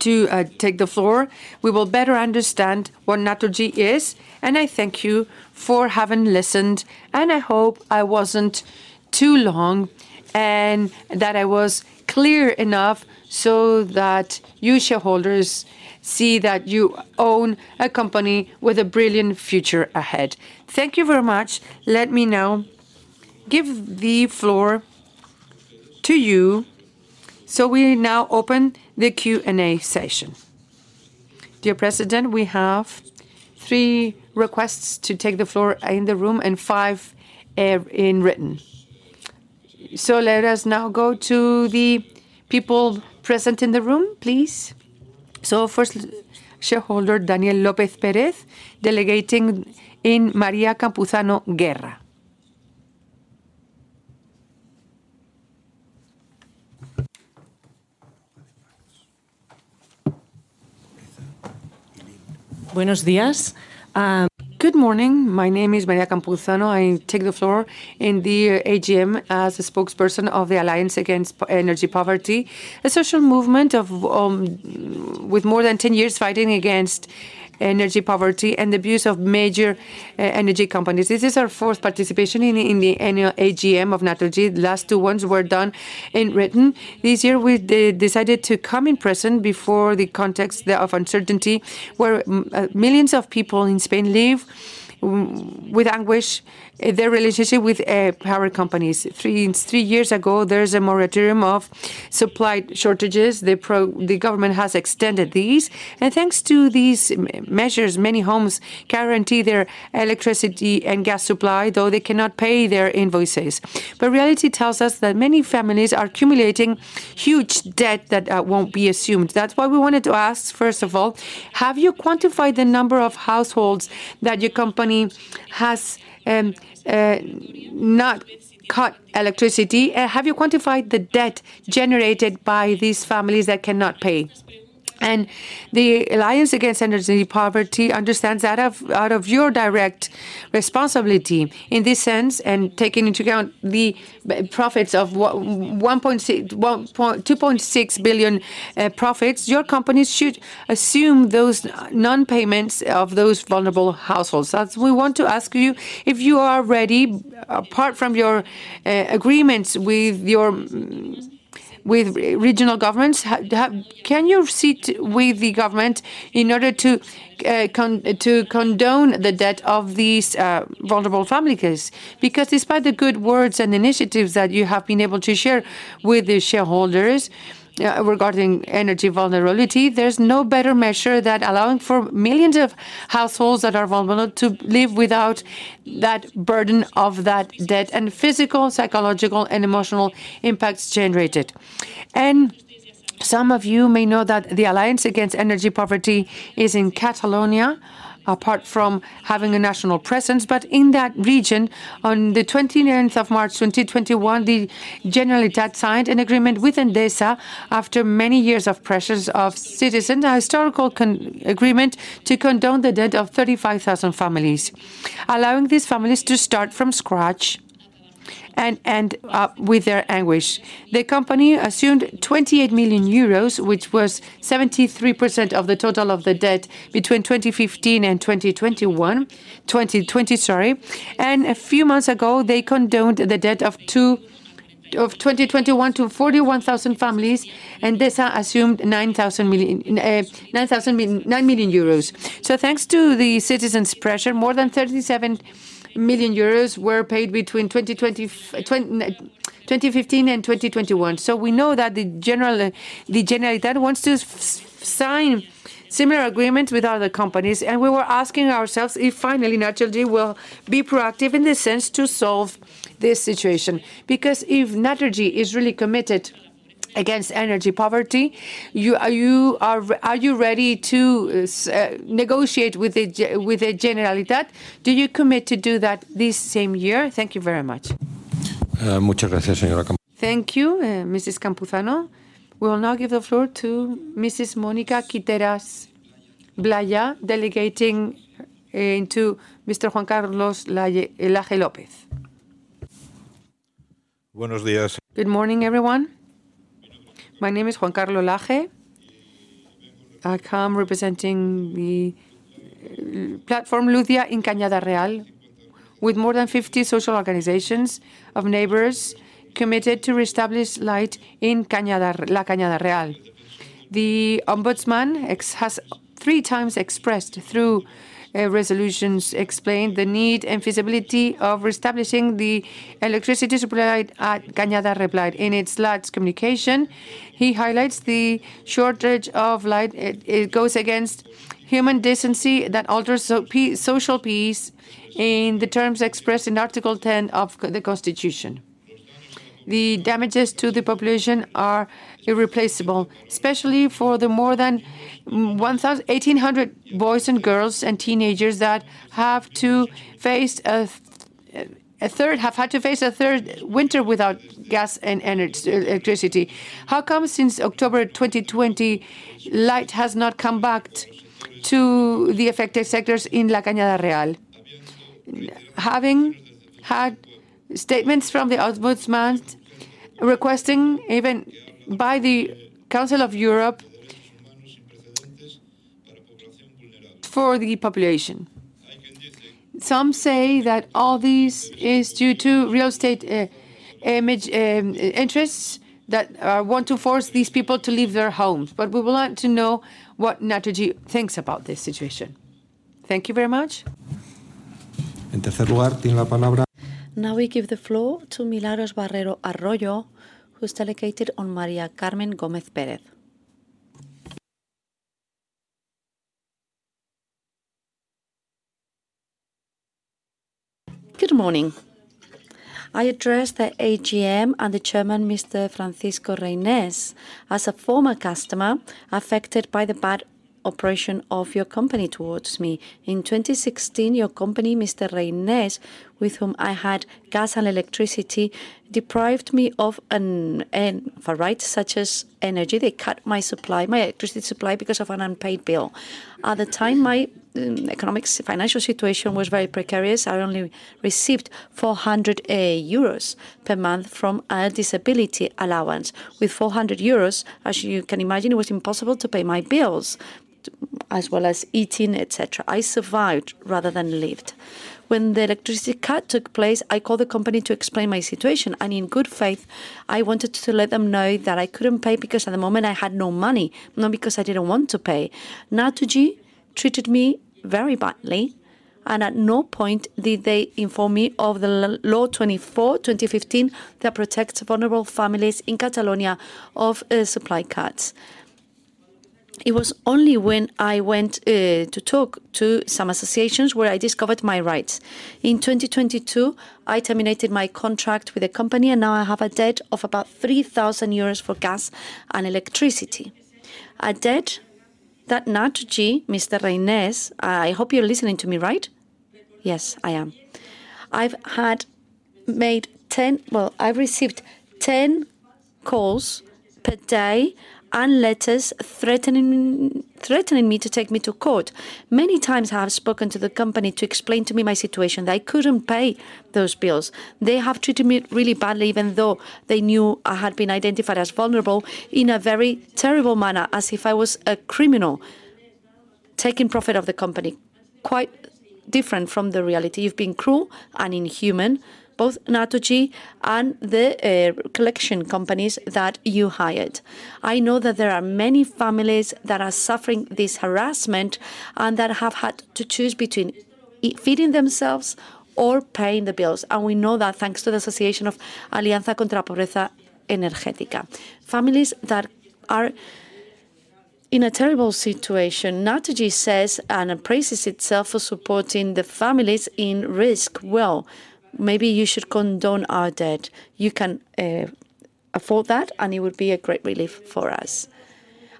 to take the floor, we will better understand what Naturgy is, and I thank you for having listened, and I hope I wasn't too long and that I was clear enough so that you shareholders see that you own a company with a brilliant future ahead. Thank you very much. Let me now give the floor to you. We now open the Q&A session. Dear President, we have three requests to take the floor in the room and five in written. Let us now go to the people present in the room, please. First, shareholder Daniel Lopez Perez, delegating in Maria Campuzano Guerra. Buenos dias. Good morning. My name is Maria Campuzano. I take the floor in the AGM as a spokesperson of the Alliance Against Energy Poverty, a social movement of with more than 10 years fighting against energy poverty and abuse of major energy companies. This is our fourth participation in the annual AGM of Naturgy. The last two ones were done in written. This year we decided to come in person before the context of uncertainty, where millions of people in Spain live with anguish their relationship with power companies. Three years ago, there's a moratorium of supply shortages. The government has extended these. Thanks to these measures, many homes guarantee their electricity and gas supply, though they cannot pay their invoices. Reality tells us that many families are accumulating huge debt that won't be assumed. That's why we wanted to ask, first of all, have you quantified the number of households that your company has not cut electricity? Have you quantified the debt generated by these families that cannot pay? The Alliance Against Energy Poverty understands that out of your direct responsibility in this sense, and taking into account the profits of 2.6 billion, your companies should assume those non-payments of those vulnerable households. That's we want to ask you, if you are ready, apart from your agreements with your regional governments Can you sit with the government in order to to condone the debt of these vulnerable families? Despite the good words and initiatives that you have been able to share with the shareholders regarding energy vulnerability, there's no better measure that allowing for millions of households that are vulnerable to live without that burden of that debt and physical, psychological, and emotional impacts generated. Some of you may know that the Alliance Against Energy Poverty is in Catalonia, apart from having a national presence, but in that region, on the 29th of March 2021, the Generalitat signed an agreement with Endesa after many years of pressures of citizen, a historical agreement to condone the debt of 35,000 families, allowing these families to start from scratch and with their anguish. The company assumed 28 million euros, which was 73% of the total of the debt between 2015 and 2020, sorry. A few months ago, they condoned the debt of 2021 to 41,000 families, Endesa assumed 9 million euros. Thanks to the citizens' pressure, more than 37 million euros were paid between 2015 and 2021. We know that the Generalitat wants to sign similar agreements with other companies, and we were asking ourselves if finally Naturgy will be proactive in this sense to solve this situation. If Naturgy is really committed against energy poverty, are you ready to negotiate with the Generalitat? Do you commit to do that this same year? Thank you very much. Thank you, Mrs. Campuzano. We will now give the floor to Mrs. Mónica Quiteras Blaya, delegating to Mr. Juan Carlos Laye-Laje Lopez. Good morning, everyone. My name is Juan Carlos Laje. I come representing the platform Luz Ya in Cañada Real, with more than 50 social organizations of neighbors committed to reestablish light in Cañada Real. The Ombudsman has three times expressed through resolutions explained the need and feasibility of reestablishing the electricity supply at Cañada Real light. In its last communication, he highlights the shortage of light. It goes against human decency that alters social peace in the terms expressed in Article 10 of the Constitution. The damages to the population are irreplaceable, especially for the more than 1,800 boys and girls and teenagers that have to face a third winter without gas and electricity. How come since October 2020, light has not come back to the affected sectors in La Cañada Real? Having had statements from the Ombudsman requesting even by the Council of Europe for the population. Some say that all this is due to real estate, image, interests that want to force these people to leave their homes. We would like to know what Naturgy thinks about this situation. Thank you very much. Now we give the floor to Milagros Barrero Arroyo, who's delegated on María del Carmen Gómez Pérez. Good morning. I address the AGM and the Chairman, Mr. Francisco Reynés. As a former customer affected by the bad operation of your company towards me, in 2016, your company, Mr. Reynés, with whom I had gas and electricity, deprived me of a right such as energy. They cut my supply, my electricity supply, because of an unpaid bill. At the time, my financial situation was very precarious. I only received 400 euros per month from a disability allowance. With 400 euros, as you can imagine, it was impossible to pay my bills, as well as eating, et cetera. I survived rather than lived. When the electricity cut took place, I called the company to explain my situation, and in good faith, I wanted to let them know that I couldn't pay because at the moment I had no money, not because I didn't want to pay. Naturgy treated me very badly, and at no point did they inform me of the Law 24/2015 that protects vulnerable families in Catalonia of supply cuts. It was only when I went to talk to some associations where I discovered my rights. In 2022, I terminated my contract with the company, and now I have a debt of about 3,000 euros for gas and electricity, a debt that Naturgy, Mr. Reynés, I hope you're listening to me, right? Yes, I am. Well, I received 10 calls per day and letters threatening me to take me to court. Many times I have spoken to the company to explain to me my situation, that I couldn't pay those bills. They have treated me really badly, even though they knew I had been identified as vulnerable, in a very terrible manner, as if I was a criminal taking profit of the company. Quite different from the reality. You've been cruel and inhuman, both Naturgy and the collection companies that you hired. I know that there are many families that are suffering this harassment and that have had to choose between feeding themselves or paying the bills, and we know that thanks to the association of Alianza contra la Pobreza Energética. Families that are in a terrible situation. Naturgy says and appraises itself for supporting the families in risk. Maybe you should condone our debt. You can afford that, it would be a great relief for us.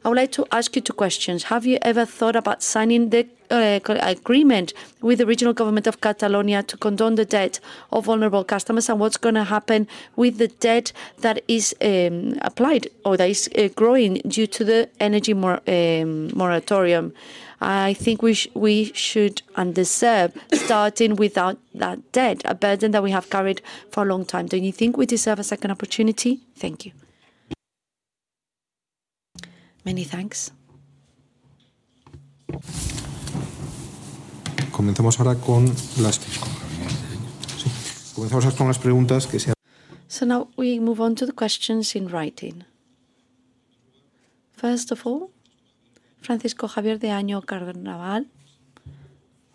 I would like to ask you two questions. Have you ever thought about signing the co- agreement with the regional government of Catalonia to condone the debt of vulnerable customers? What's gonna happen with the debt that is applied or that is growing due to the energy moratorium? I think we should and deserve starting without that debt, a burden that we have carried for a long time. Don't you think we deserve a second opportunity? Thank you. Many thanks. Now we move on to the questions in writing. First of all, Francisco Javier de Ana Goval,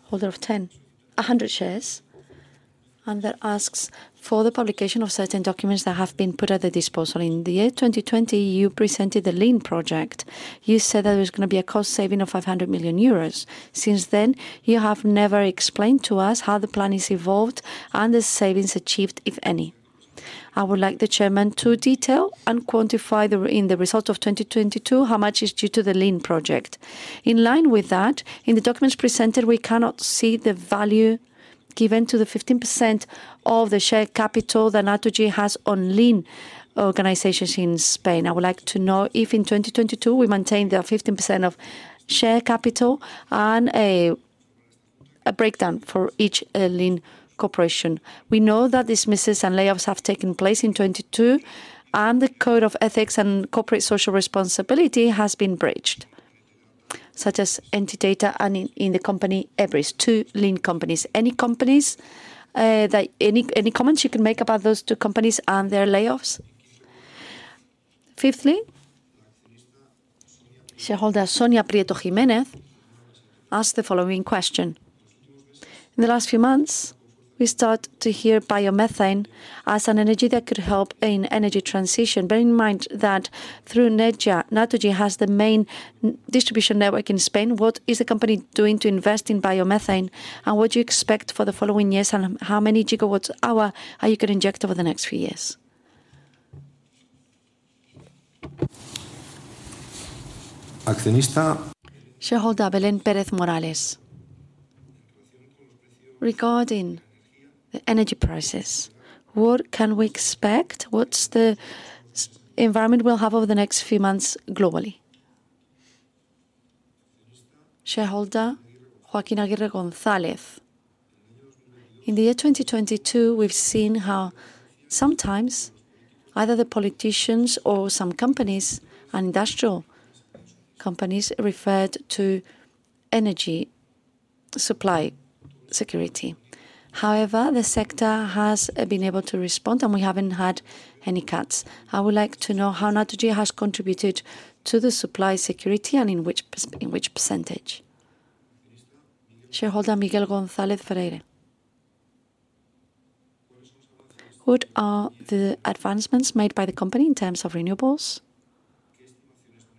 holder of 100 shares, and that asks for the publication of certain documents that have been put at the disposal. In the year 2020, you presented the Lean project. You said that it was gonna be a cost saving of 500 million euros. Since then, you have never explained to us how the plan is evolved and the savings achieved, if any. I would like the Chairman to detail and quantify in the results of 2022 how much is due to the Lean project. In line with that, in the documents presented, we cannot see the value given to the 15% of the share capital that Naturgy has on Lean organizations in Spain. I would like to know if in 2022 we maintained the 15% of share capital and a breakdown for each Lean corporation. We know that dismisses and layoffs have taken place in 2022, and the code of ethics and corporate social responsibility has been breached, such as NTT DATA and in the company Everis, two Lean companies. Any comments you can make about those two companies and their layoffs? Fifthly, Shareholder Sonia Prieto Jiménez asks the following question. In the last few months, we start to hear biomethane as an energy that could help in energy transition. Bear in mind that through Nedgia, Naturgy has the main distribution network in Spain. What is the company doing to invest in biomethane, and what do you expect for the following years, and how many gigawatts hour are you gonna inject over the next few years? Shareholder Belén Pérez Morales. Regarding the energy prices, what can we expect? What's the environment we'll have over the next few months globally? Shareholder Joaquín Aguirre González. In the year 2022, we've seen how sometimes either the politicians or some companies and industrial companies referred to energy supply security. However, the sector has been able to respond, and we haven't had any cuts. I would like to know how Naturgy has contributed to the supply security and in which percentage. Shareholder Miguel González Ferreira. What are the advancements made by the company in terms of renewables?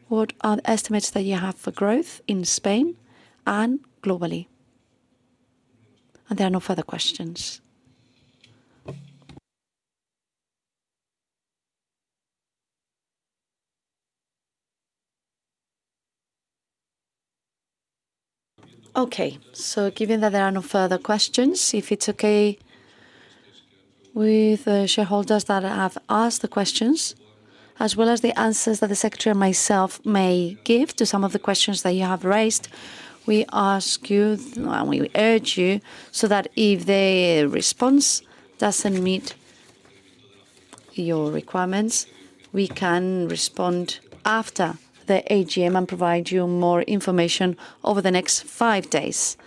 What are the estimates that you have for growth in Spain and globally? There are no further questions. Okay. Given that there are no further questions, if it's okay with the shareholders that have asked the questions, as well as the answers that the secretary and myself may give to some of the questions that you have raised, we ask you, and we urge you, so that if the response doesn't meet your requirements, we can respond after the AGM and provide you more information over the next five days.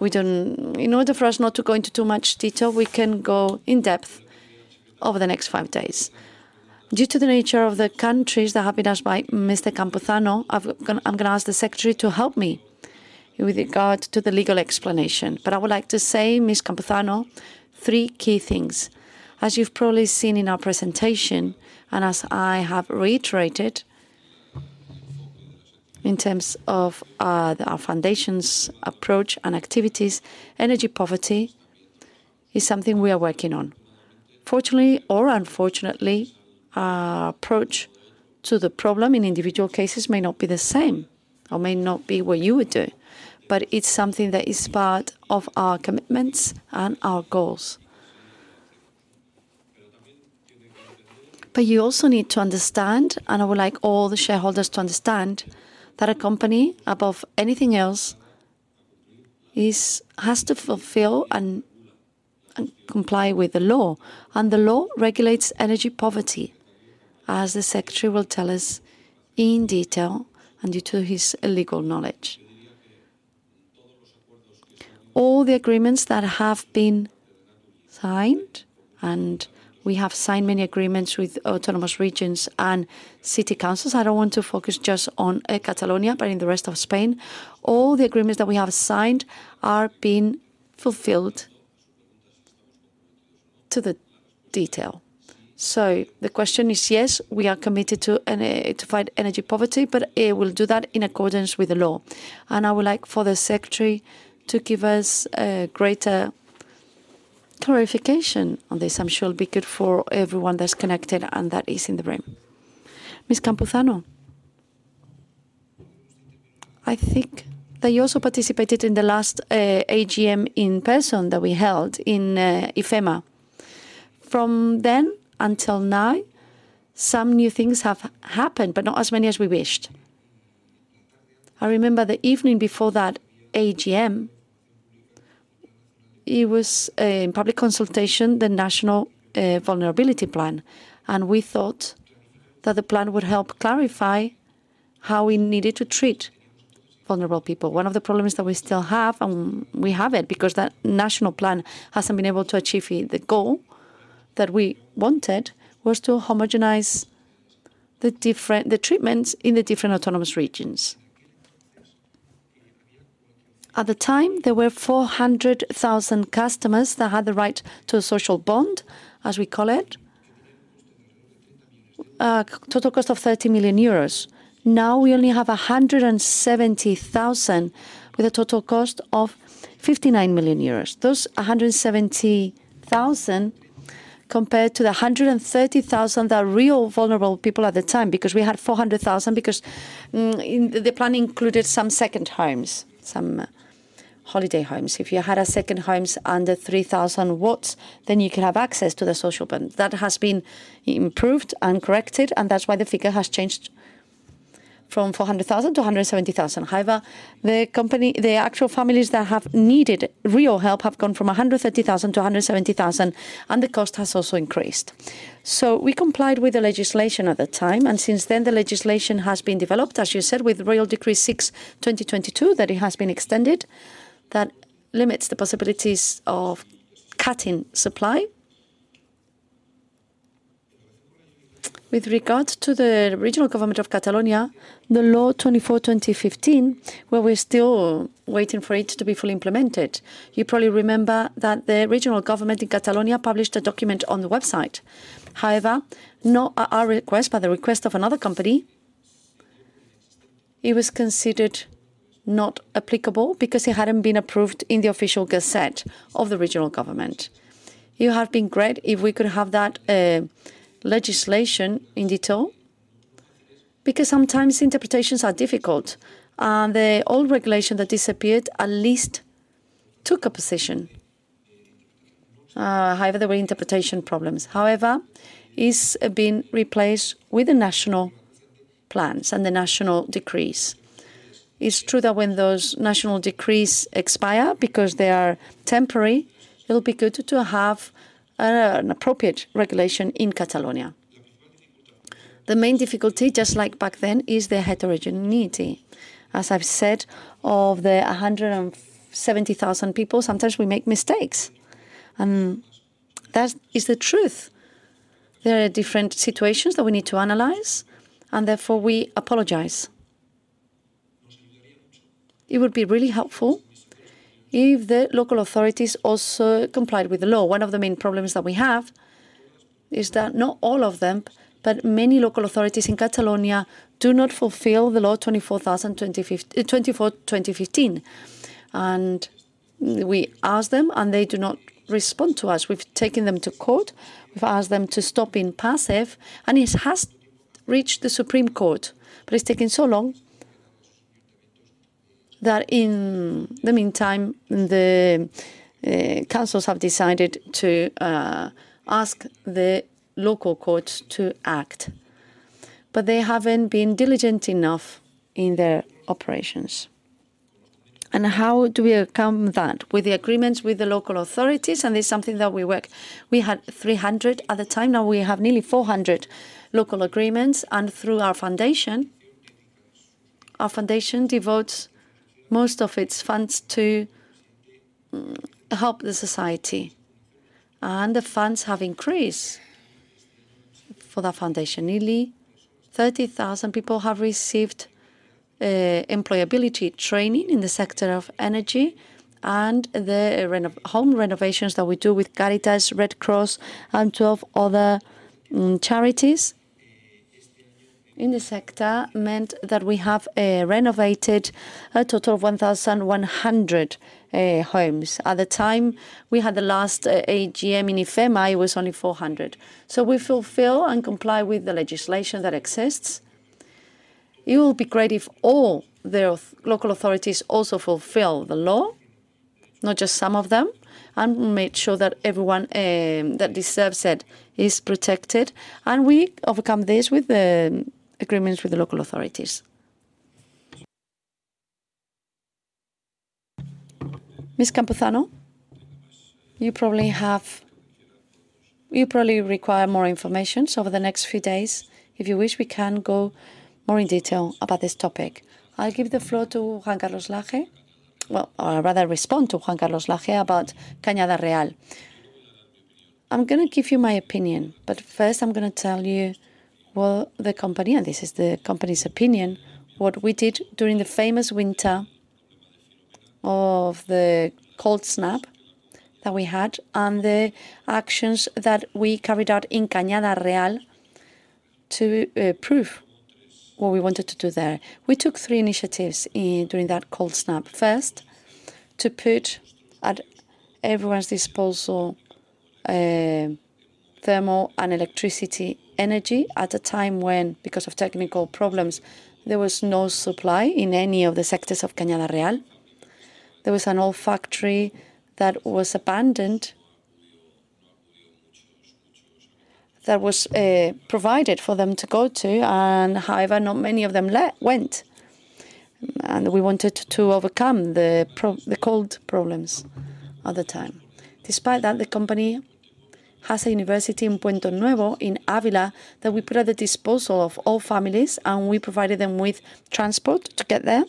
We don't In order for us not to go into too much detail, we can go in depth over the next five days. Due to the nature of the countries that have been asked by Mr. Campuzano, I'm gonna ask the secretary to help me with regard to the legal explanation. I would like to say, Ms. Campuzano, three key things. As you've probably seen in our presentation, and as I have reiterated, in terms of our foundation's approach and activities, energy poverty is something we are working on. Fortunately or unfortunately, our approach to the problem in individual cases may not be the same or may not be what you would do, but it's something that is part of our commitments and our goals. You also need to understand, and I would like all the shareholders to understand, that a company, above anything else, is... has to fulfill and comply with the law, and the law regulates energy poverty, as the secretary will tell us in detail and due to his legal knowledge. All the agreements that have been signed, and we have signed many agreements with autonomous regions and city councils. I don't want to focus just on Catalonia, but in the rest of Spain, all the agreements that we have signed are being fulfilled to the detail. The question is, yes, we are committed to fight energy poverty, but we'll do that in accordance with the law. I would like for the secretary to give us a greater clarification on this. I'm sure it will be good for everyone that's connected and that is in the room. Ms. Campuzano. I think that you also participated in the last AGM in person that we held in IFEMA. From then until now, some new things have happened, but not as many as we wished. I remember the evening before that AGM, it was a public consultation, the National Vulnerability Plan, we thought that the plan would help clarify how we needed to treat vulnerable people. One of the problems that we still have, and we have it because that national plan hasn't been able to achieve it, the goal that we wanted was to homogenize the different treatments in the different autonomous regions. At the time, there were 400,000 customers that had the right to a social bond, as we call it. A total cost of 30 million euros. We only have 170,000 with a total cost of 59 million euros. Those 170,000 compared to the 130,000 that were real vulnerable people at the time, because we had 400,000, because The plan included some second homes, some holiday homes. If you had a second homes under 3,000 watts, then you could have access to the social bond. That has been improved and corrected, and that's why the figure has changed from 400,000 to 170,000. The company... The actual families that have needed real help have gone from 130,000 to 170,000, and the cost has also increased. We complied with the legislation at the time, and since then, the legislation has been developed, as you said, with Royal Decree-Law 6/2022, that it has been extended, that limits the possibilities of cutting supply. With regards to the regional government of Catalonia, the Law 24/2015, well, we're still waiting for it to be fully implemented. You probably remember that the regional government in Catalonia published a document on the website. However, not at our request, but the request of another company. It was considered not applicable because it hadn't been approved in the official gazette of the regional government. It would have been great if we could have that legislation in detail because sometimes interpretations are difficult. The old regulation that disappeared at least took a position. However, there were interpretation problems. However, it's been replaced with the national plans and the national decrees. It's true that when those national decrees expire, because they are temporary, it'll be good to have an appropriate regulation in Catalonia. The main difficulty, just like back then, is the heterogeneity. As I've said, of the 170,000 people, sometimes we make mistakes, and that is the truth. There are different situations that we need to analyze, and therefore we apologize. It would be really helpful if the local authorities also complied with the law. One of the main problems that we have is that not all of them, but many local authorities in Catalonia do not fulfill the Law 24/2015. We ask them, and they do not respond to us. We've taken them to court. We've asked them to stop being passive. It has reached the Supreme Court. It's taking so long that in the meantime, the councils have decided to ask the local courts to act. They haven't been diligent enough in their operations. How do we overcome that? With the agreements with the local authorities, and it's something that we work. We had 300 at the time. Now we have nearly 400 local agreements, and through our foundation, our foundation devotes most of its funds to help the society. The funds have increased for that foundation. Nearly 30,000 people have received employability training in the sector of energy. The home renovations that we do with Cáritas, Red Cross, and 12 other charities in the sector meant that we have renovated a total of 1,100 homes. At the time we had the last AGM in IFEMA, it was only 400. We fulfill and comply with the legislation that exists. It will be great if all the local authorities also fulfill the law, not just some of them, and make sure that everyone that deserves it is protected, and we overcome this with the agreements with the local authorities. Ms. Campuzano, you probably require more information, so over the next few days, if you wish, we can go more in detail about this topic. I'll give the floor to Juan Carlos Lage. Or rather respond to Juan Carlos Lage about Cañada Real. I'm gonna give you my opinion. First, I'm gonna tell you what the company, and this is the company's opinion, what we did during the famous winter of the cold snap that we had and the actions that we carried out in Cañada Real to prove what we wanted to do there. We took three initiatives during that cold snap. First, to put at everyone's disposal thermal and electricity energy at a time when, because of technical problems, there was no supply in any of the sectors of Cañada Real. There was an old factory that was abandoned, that was provided for them to go to. However, not many of them went, and we wanted to overcome the cold problems at the time. Despite that, the company has a university in Puente Nuevo in Ávila that we put at the disposal of all families, and we provided them with transport to get there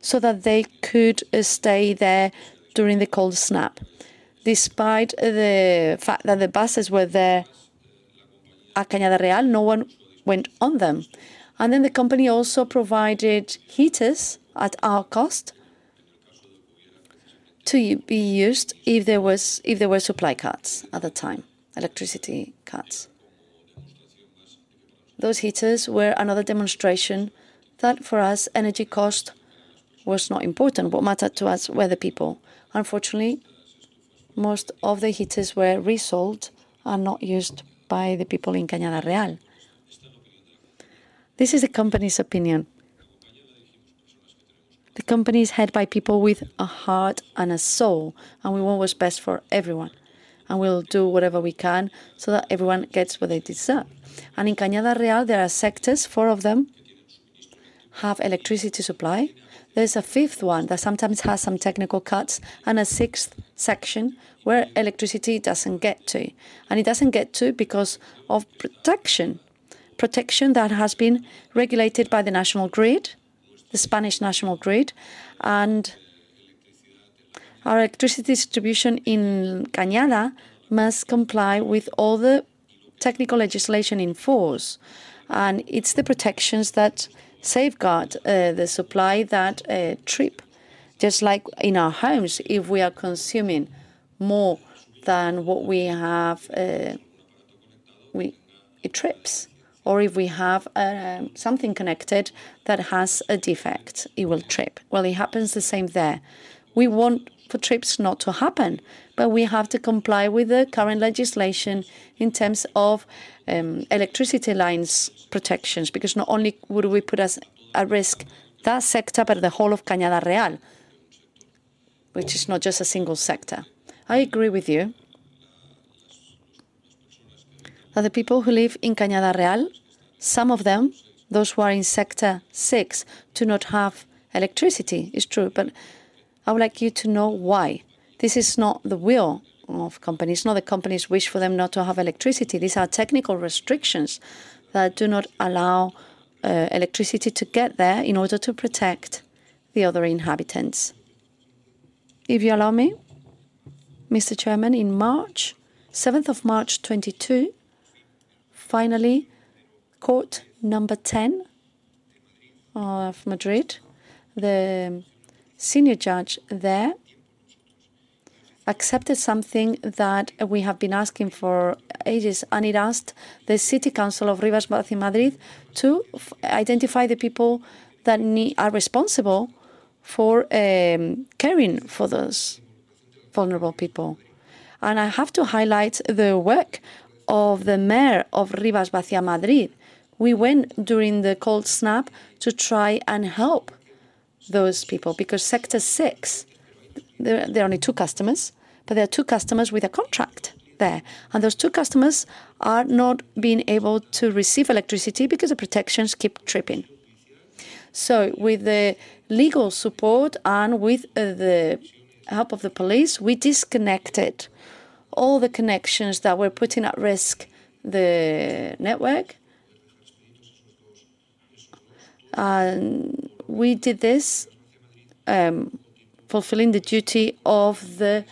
so that they could stay there during the cold snap. Despite the fact that the buses were there at Cañada Real, no one went on them. The company also provided heaters at our cost to be used if there were supply cuts at the time, electricity cuts. Those heaters were another demonstration that for us, energy cost was not important. What mattered to us were the people. Unfortunately, most of the heaters were resold and not used by the people in Cañada Real. This is the company's opinion. The company is head by people with a heart and a soul. We want what's best for everyone, and we'll do whatever we can so that everyone gets what they deserve. In Cañada Real, there are sectors. Four of them have electricity supply. There's a fifth one that sometimes has some technical cuts, and a sixth section where electricity doesn't get to. It doesn't get to because of protection. Protection that has been regulated by the National Grid, the Spanish National Grid, and our electricity distribution in Cañada must comply with all the technical legislation in force. It's the protections that safeguard the supply that trip. Just like in our homes, if we are consuming more than what we have, it trips or if we have something connected that has a defect, it will trip. Well, it happens the same there. We want the trips not to happen, but we have to comply with the current legislation in terms of electricity lines protections, because not only would we put us at risk that sector, but the whole of Cañada Real, which is not just a single sector. I agree with you. That the people who live in Cañada Real, some of them, those who are in sector six, do not have electricity. It's true, but I would like you to know why. This is not the will of companies, not the company's wish for them not to have electricity. These are technical restrictions that do not allow electricity to get there in order to protect the other inhabitants. If you allow me, Mr. Chairman, in March, 7th of March 2022, finally, court number 10 of Madrid, the senior judge there accepted something that we have been asking for ages. It asked the city council of Rivas-Vaciamadrid to identify the people that are responsible for caring for those vulnerable people. I have to highlight the work of the mayor of Rivas-Vaciamadrid. We went during the cold snap to try and help those people because sector 6, there are only 2 customers, but there are 2 customers with a contract there. Those two customers are not being able to receive electricity because the protections keep tripping. With the legal support and with the help of the police, we disconnected all the connections that were putting at risk the network. We did this fulfilling the duty of the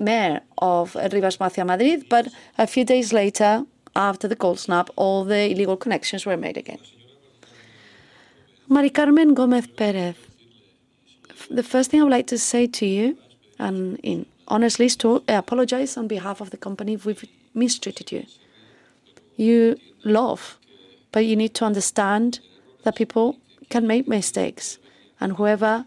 mayor of Rivas-Vaciamadrid. A few days later, after the cold snap, all the illegal connections were made again. María del Carmen Gómez Pérez, the first thing I would like to say to you, and in honestly, is to apologize on behalf of the company if we've mistreated you. You laugh, but you need to understand that people can make mistakes. Whoever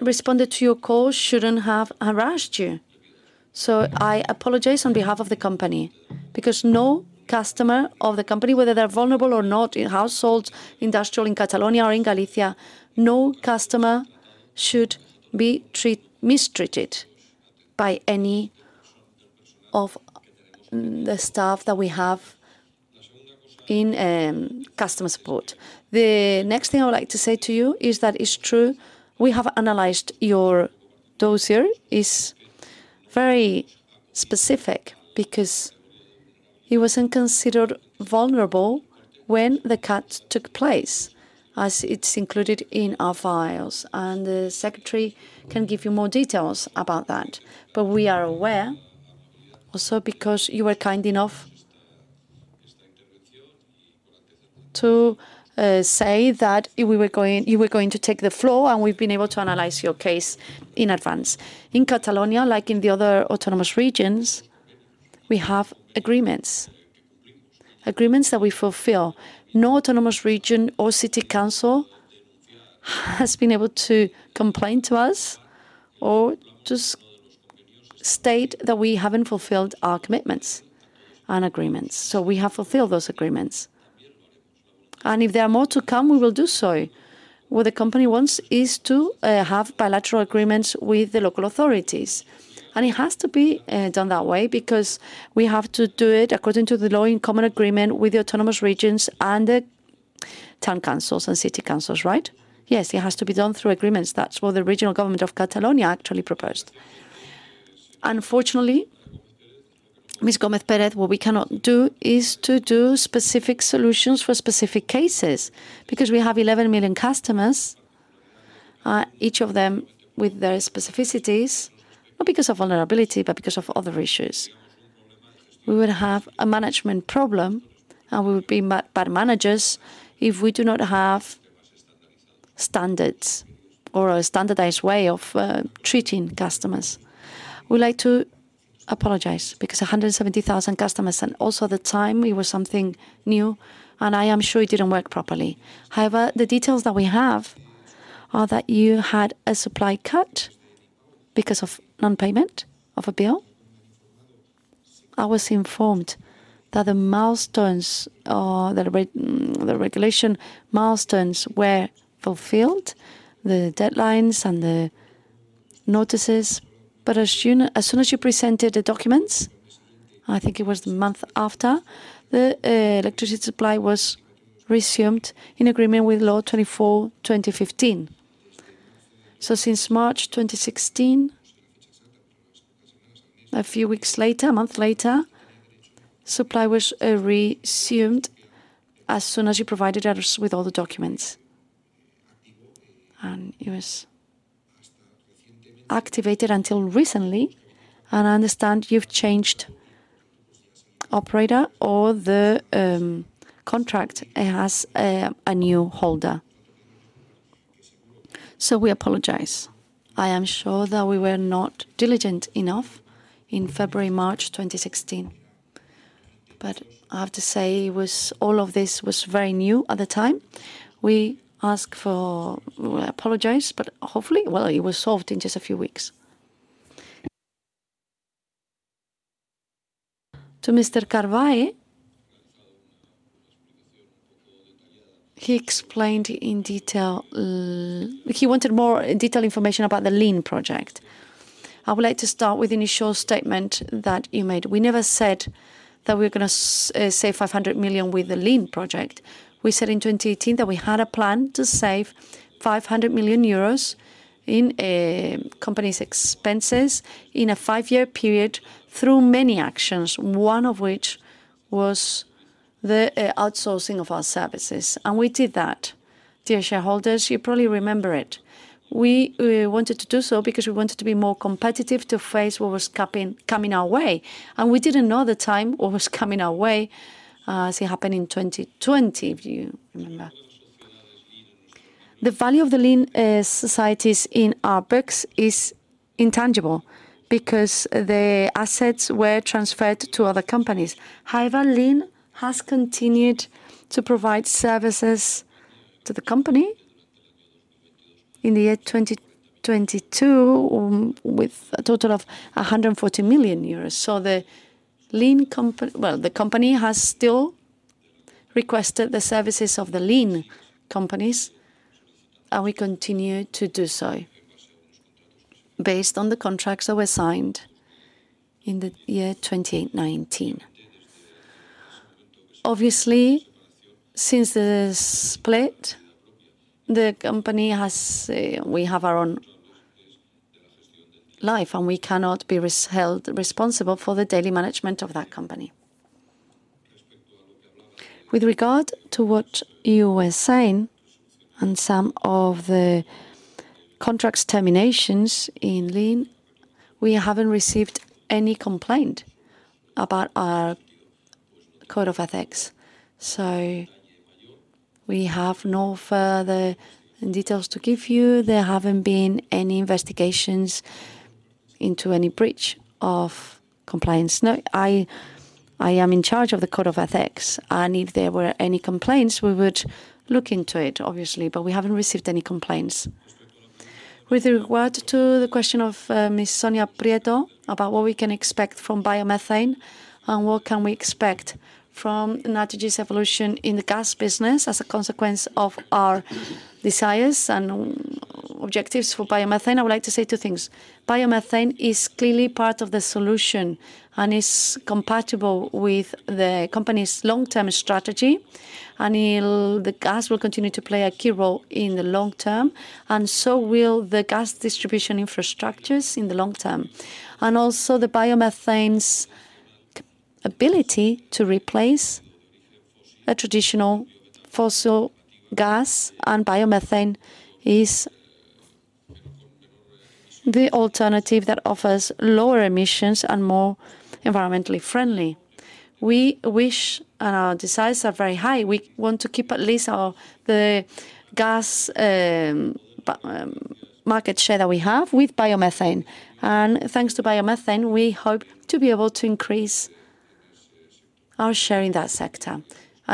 responded to your call shouldn't have harassed you. I apologize on behalf of the company because no customer of the company, whether they're vulnerable or not, in households, industrial in Catalonia or in Galicia, no customer should be mistreated by any of the staff that we have in customer support. The next thing I would like to say to you is that it's true, we have analyzed your dossier. Is very specific because it wasn't considered vulnerable when the cut took place, as it's included in our files, and the secretary can give you more details about that. We are aware also because you were kind enough to say that if you were going to take the floor and we've been able to analyze your case in advance. In Catalonia, like in the other autonomous regions, we have agreements. Agreements that we fulfill. No autonomous region or city council has been able to complain to us or to state that we haven't fulfilled our commitments and agreements. We have fulfilled those agreements. If there are more to come, we will do so. What the company wants is to have bilateral agreements with the local authorities, and it has to be done that way because we have to do it according to the law in common agreement with the autonomous regions and the town councils and city councils, right? Yes, it has to be done through agreements. That's what the regional government of Catalonia actually proposed. Unfortunately, Ms. Gómez Pérez, what we cannot do is to do specific solutions for specific cases because we have 11 million customers, each of them with their specificities, not because of vulnerability, but because of other issues. We would have a management problem, and we would be bad managers if we do not have standards or a standardized way of treating customers. We'd like to apologize because 170,000 customers, and also at the time it was something new, and I am sure it didn't work properly. The details that we have are that you had a supply cut because of non-payment of a bill. I was informed that the milestones or that the regulation milestones were fulfilled, the deadlines and the notices. As soon as you presented the documents, I think it was the month after, the electricity supply was resumed in agreement with Law 24/2015. Since March 2016, a few weeks later, a month later, supply was resumed as soon as you provided us with all the documents. It was activated until recently, and I understand you've changed operator or the contract has a new holder. We apologize. I am sure that we were not diligent enough in February, March 2016. I have to say it was all of this was very new at the time. We apologize, hopefully. It was solved in just a few weeks. To Mr. Carvallo, he explained in detail, he wanted more detailed information about the Lean project. I would like to start with initial statement that you made. We never said that we're gonna save 500 million with the Lean project. We said in 2018 that we had a plan to save 500 million euros in company's expenses in a 5-year period through many actions, one of which was the outsourcing of our services, and we did that. Dear shareholders, you probably remember it. We wanted to do so because we wanted to be more competitive to face what was coming our way. We didn't know at the time what was coming our way, as it happened in 2020, if you remember. The value of the Lean societies in our books is intangible because the assets were transferred to other companies. However, Lean has continued to provide services to the company in the year 2022 with a total of 140 million euros. Well, the company has still requested the services of the Lean companies, and we continue to do so based on the contracts that were signed in the year 2019. Obviously, since the split, the company has, we have our own life, and we cannot be held responsible for the daily management of that company. With regard to what you were saying on some of the contracts terminations in Lean, we haven't received any complaint about our code of ethics, so we have no further details to give you. There haven't been any investigations into any breach of compliance. No, I am in charge of the code of ethics, and if there were any complaints, we would look into it, obviously, but we haven't received any complaints. With regard to the question of Miss Sonia Prieto about what we can expect from biomethane and what can we expect from Naturgy's evolution in the gas business as a consequence of our desires and objectives for biomethane, I would like to say two things. Biomethane is clearly part of the solution and is compatible with the company's long-term strategy. The gas will continue to play a key role in the long term, and so will the gas distribution infrastructures in the long term. Also the biomethane's ability to replace a traditional fossil gas, and biomethane is the alternative that offers lower emissions and more environmentally friendly. We wish, and our desires are very high, we want to keep at least our the gas, but market share that we have with biomethane. Thanks to biomethane, we hope to be able to increase our share in that sector.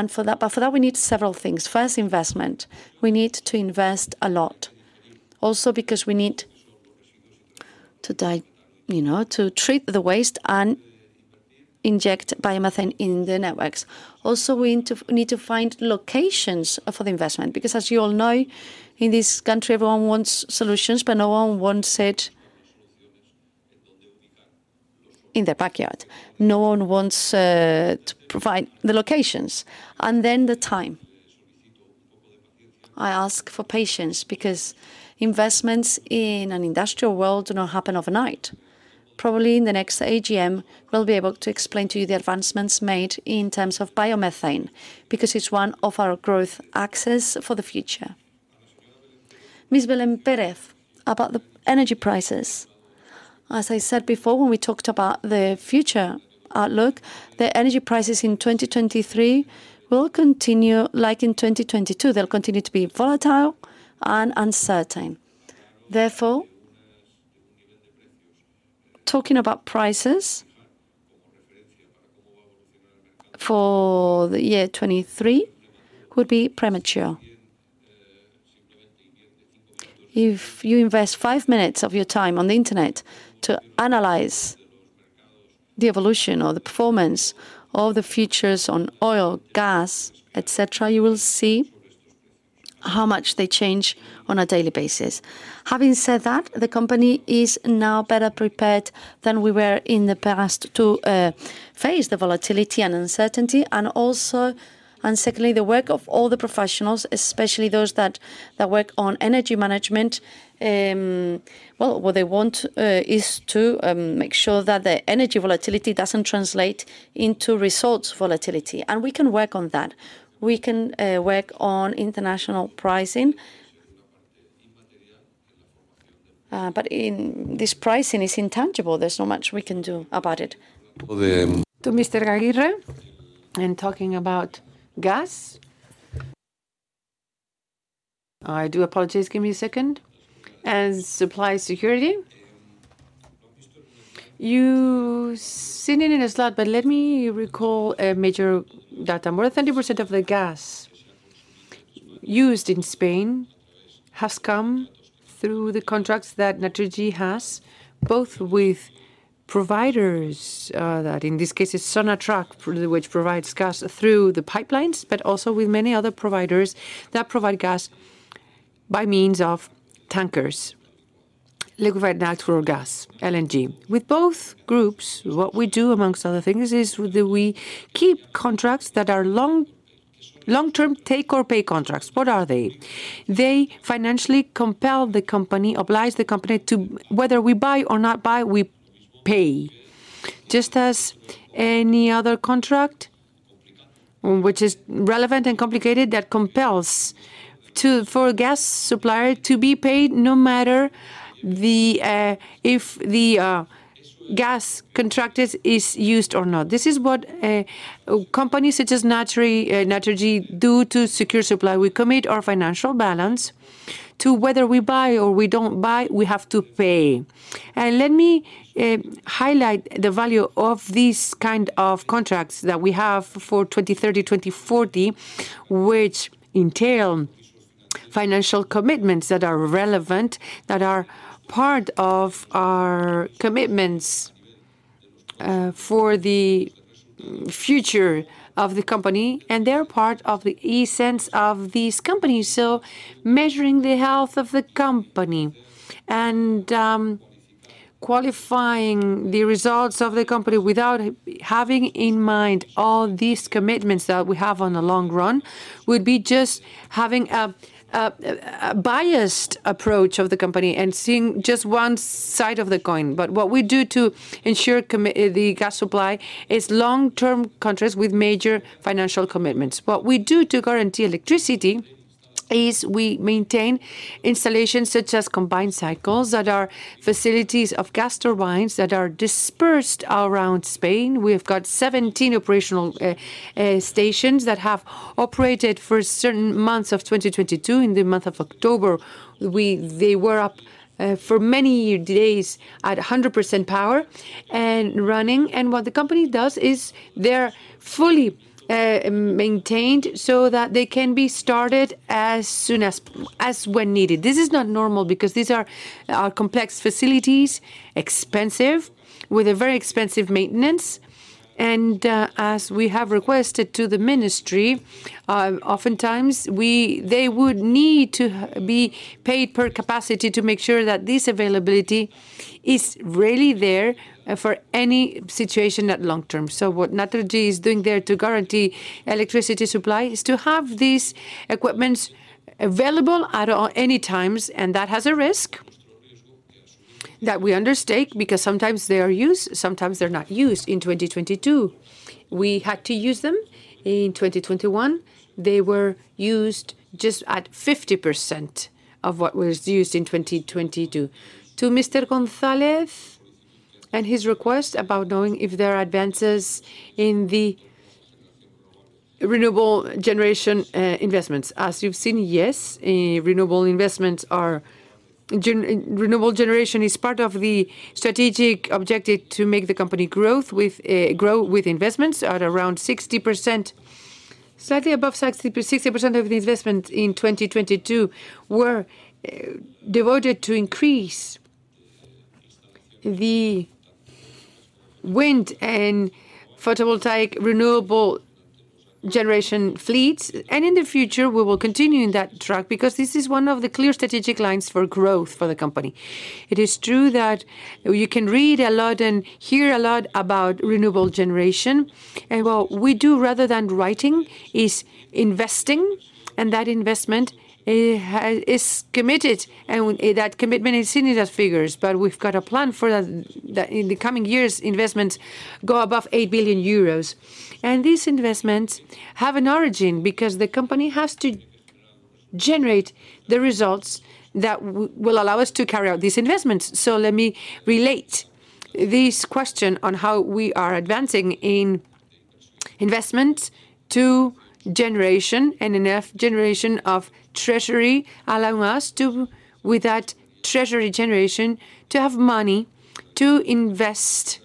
For that, we need several things. First, investment. We need to invest a lot. Also because we need to you know, to treat the waste and inject biomethane in the networks. We need to find locations for the investment because as you all know, in this country, everyone wants solutions, but no one wants it in their backyard. No one wants to provide the locations. The time. I ask for patience because investments in an industrial world do not happen overnight. Probably in the next AGM, we'll be able to explain to you the advancements made in terms of biomethane because it's one of our growth axes for the future. Ms. Belén Pérez, about the energy prices. As I said before, when we talked about the future outlook, the energy prices in 2023 will continue, like in 2022, they'll continue to be volatile and uncertain. Talking about prices for the year 23 would be premature. If you invest five minutes of your time on the Internet to analyze the evolution or the performance of the features on oil, gas, et cetera, you will see how much they change on a daily basis. Having said that, the company is now better prepared than we were in the past to face the volatility and uncertainty. Secondly, the work of all the professionals, especially those that work on energy management, well, what they want is to make sure that the energy volatility doesn't translate into results volatility. We can work on that. We can work on international pricing. In this pricing is intangible. There's not much we can do about it. To Mr. Aguirre, talking about gas. I do apologize, give me a second. Supply security. You said it in a slot, let me recall a major data. More than 30% of the gas used in Spain has come through the contracts that Naturgy has, both with providers, that in this case it's Sonatrach, which provides gas through the pipelines, also with many other providers that provide gas by means of tankers, liquefied natural gas, LNG. With both groups, what we do amongst other things is we keep contracts that are long, long-term take-or-pay contracts. What are they? They financially compel the company, oblige the company to whether we buy or not buy, we pay. Just as any other contract which is relevant and complicated that compels to, for a gas supplier to be paid no matter the, if the, gas contracted is used or not. This is what companies such as Naturgy do to secure supply. We commit our financial balance to whether we buy or we don't buy, we have to pay. Let me highlight the value of these kind of contracts that we have for 2030, 2040, which entail financial commitments that are relevant, that are part of our commitments, for the future of the company, and they're part of the essence of these companies. Measuring the health of the company and qualifying the results of the company without having in mind all these commitments that we have on the long run would be just having a biased approach of the company and seeing just one side of the coin. What we do to ensure the gas supply is long-term contracts with major financial commitments. What we do to guarantee electricity is we maintain installations such as combined cycles that are facilities of gas turbines that are dispersed around Spain. We've got 17 operational stations that have operated for certain months of 2022. In the month of October, they were up for many days at 100% power and running. What the company does is they're fully maintained so that they can be started as soon as when needed. This is not normal because these are complex facilities, expensive, with a very expensive maintenance. As we have requested to the ministry, oftentimes they would need to be paid per capacity to make sure that this availability is really there for any situation at long term. What Naturgy is doing there to guarantee electricity supply is to have these equipments available at any times, and that has a risk that we undertake because sometimes they are used, sometimes they're not used. In 2022, we had to use them. In 2021, they were used just at 50% of what was used in 2022. To Mr. González and his request about knowing if there are advances in the renewable generation investments. As you've seen, yes, renewable investments are renewable generation is part of the strategic objective to make the company growth with grow with investments at around 60%. Slightly above 60%, 60% of the investment in 2022 were devoted to increase the wind and photovoltaic renewable generation fleets. In the future, we will continue in that track because this is one of the clear strategic lines for growth for the company. It is true that you can read a lot and hear a lot about renewable generation. What we do rather than writing is investing, and that investment is committed, and that commitment is seen in the figures. We've got a plan for that in the coming years, investments go above 8 billion euros. These investments have an origin because the company has to generate the results that will allow us to carry out these investments. Let me relate this question on how we are advancing in investment to generation, enough generation of treasury, allowing us to, with that treasury generation, to have money to invest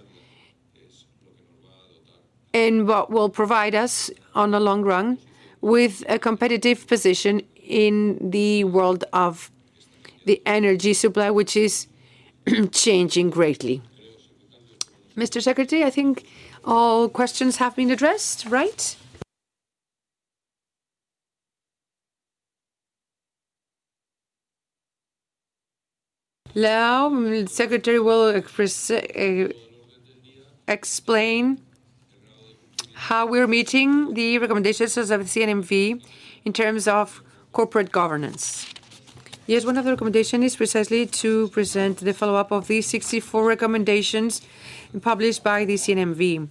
in what will provide us on the long run with a competitive position in the world of the energy supply, which is changing greatly. Mr. Secretary, I think all questions have been addressed, right? Secretary will explain how we're meeting the recommendations of CNMV in terms of corporate governance. Yes, one of the recommendations is precisely to present the follow-up of the 64 recommendations published by the CNMV.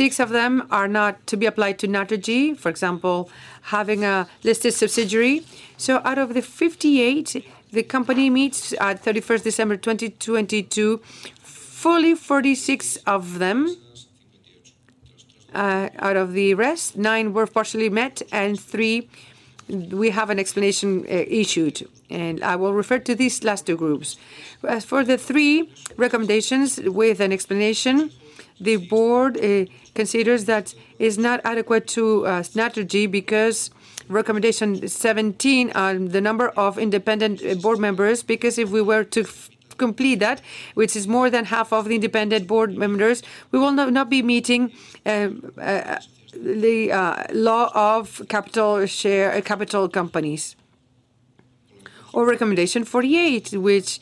six of them are not to be applied to Naturgy. For example, having a listed subsidiary. Out of the 58, the company meets, at 31st December 2022, fully 46 of them. Out of the rest, nine were partially met, and three we have an explanation issued. I will refer to these last two groups. As for the 3 recommendations with an explanation, the board considers that is not adequate to Naturgy because recommendation 17 on the number of independent board members, because if we were to complete that, which is more than half of the independent board members, we will not be meeting the law of capital share, Capital Companies Act. Recommendation 48, which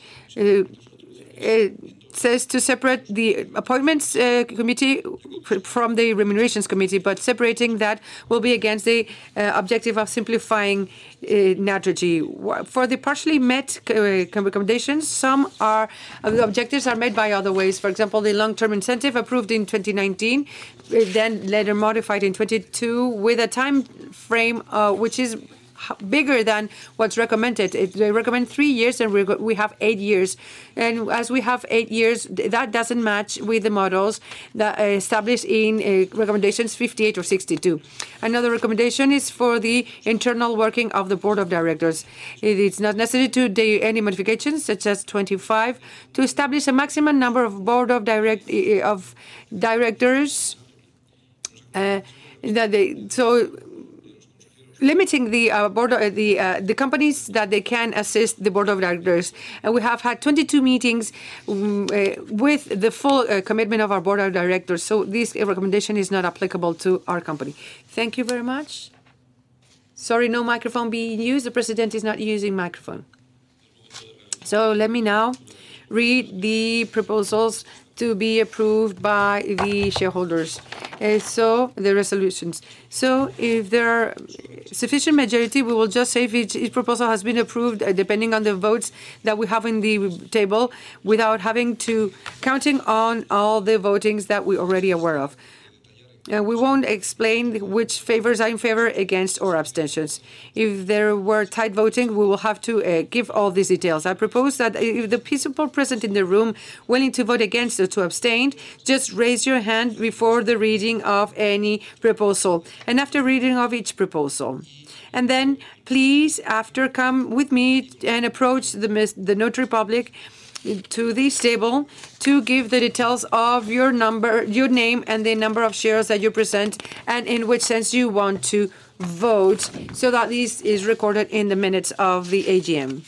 it says to separate the appointments committee from the remunerations committee, separating that will be against the objective of simplifying Naturgy. For the partially met recommendations, some are, the objectives are made by other ways. For example, the long-term incentive approved in 2019, then later modified in 2022 with a timeframe, which is bigger than what's recommended. They recommend 3 years, and we have 8 years. As we have 8 years, that doesn't match with the models that are established in recommendations 58 or 62. Another recommendation is for the internal working of the board of directors. It is not necessary to do any modifications, such as 25, to establish a maximum number of board of directors that they. limiting the board, the companies that they can assist the board of directors. We have had 22 meetings with the full commitment of our board of directors, this recommendation is not applicable to our company. Thank you very much. Sorry, no microphone being used. The president is not using microphone. Let me now read the proposals to be approved by the shareholders. The resolutions. If there are sufficient majority, we will just say if each proposal has been approved, depending on the votes that we have on the table without having to counting on all the votings that we're already aware of. We won't explain which favors are in favor, against, or abstentions. If there were tied voting, we will have to give all these details. I propose that if the people present in the room wanting to vote against or to abstain, just raise your hand before the reading of any proposal and after reading of each proposal. Then please, after, come with me and approach the notary public to this table to give the details of your number, your name, and the number of shares that you present, and in which sense you want to vote, so that this is recorded in the minutes of the AGM.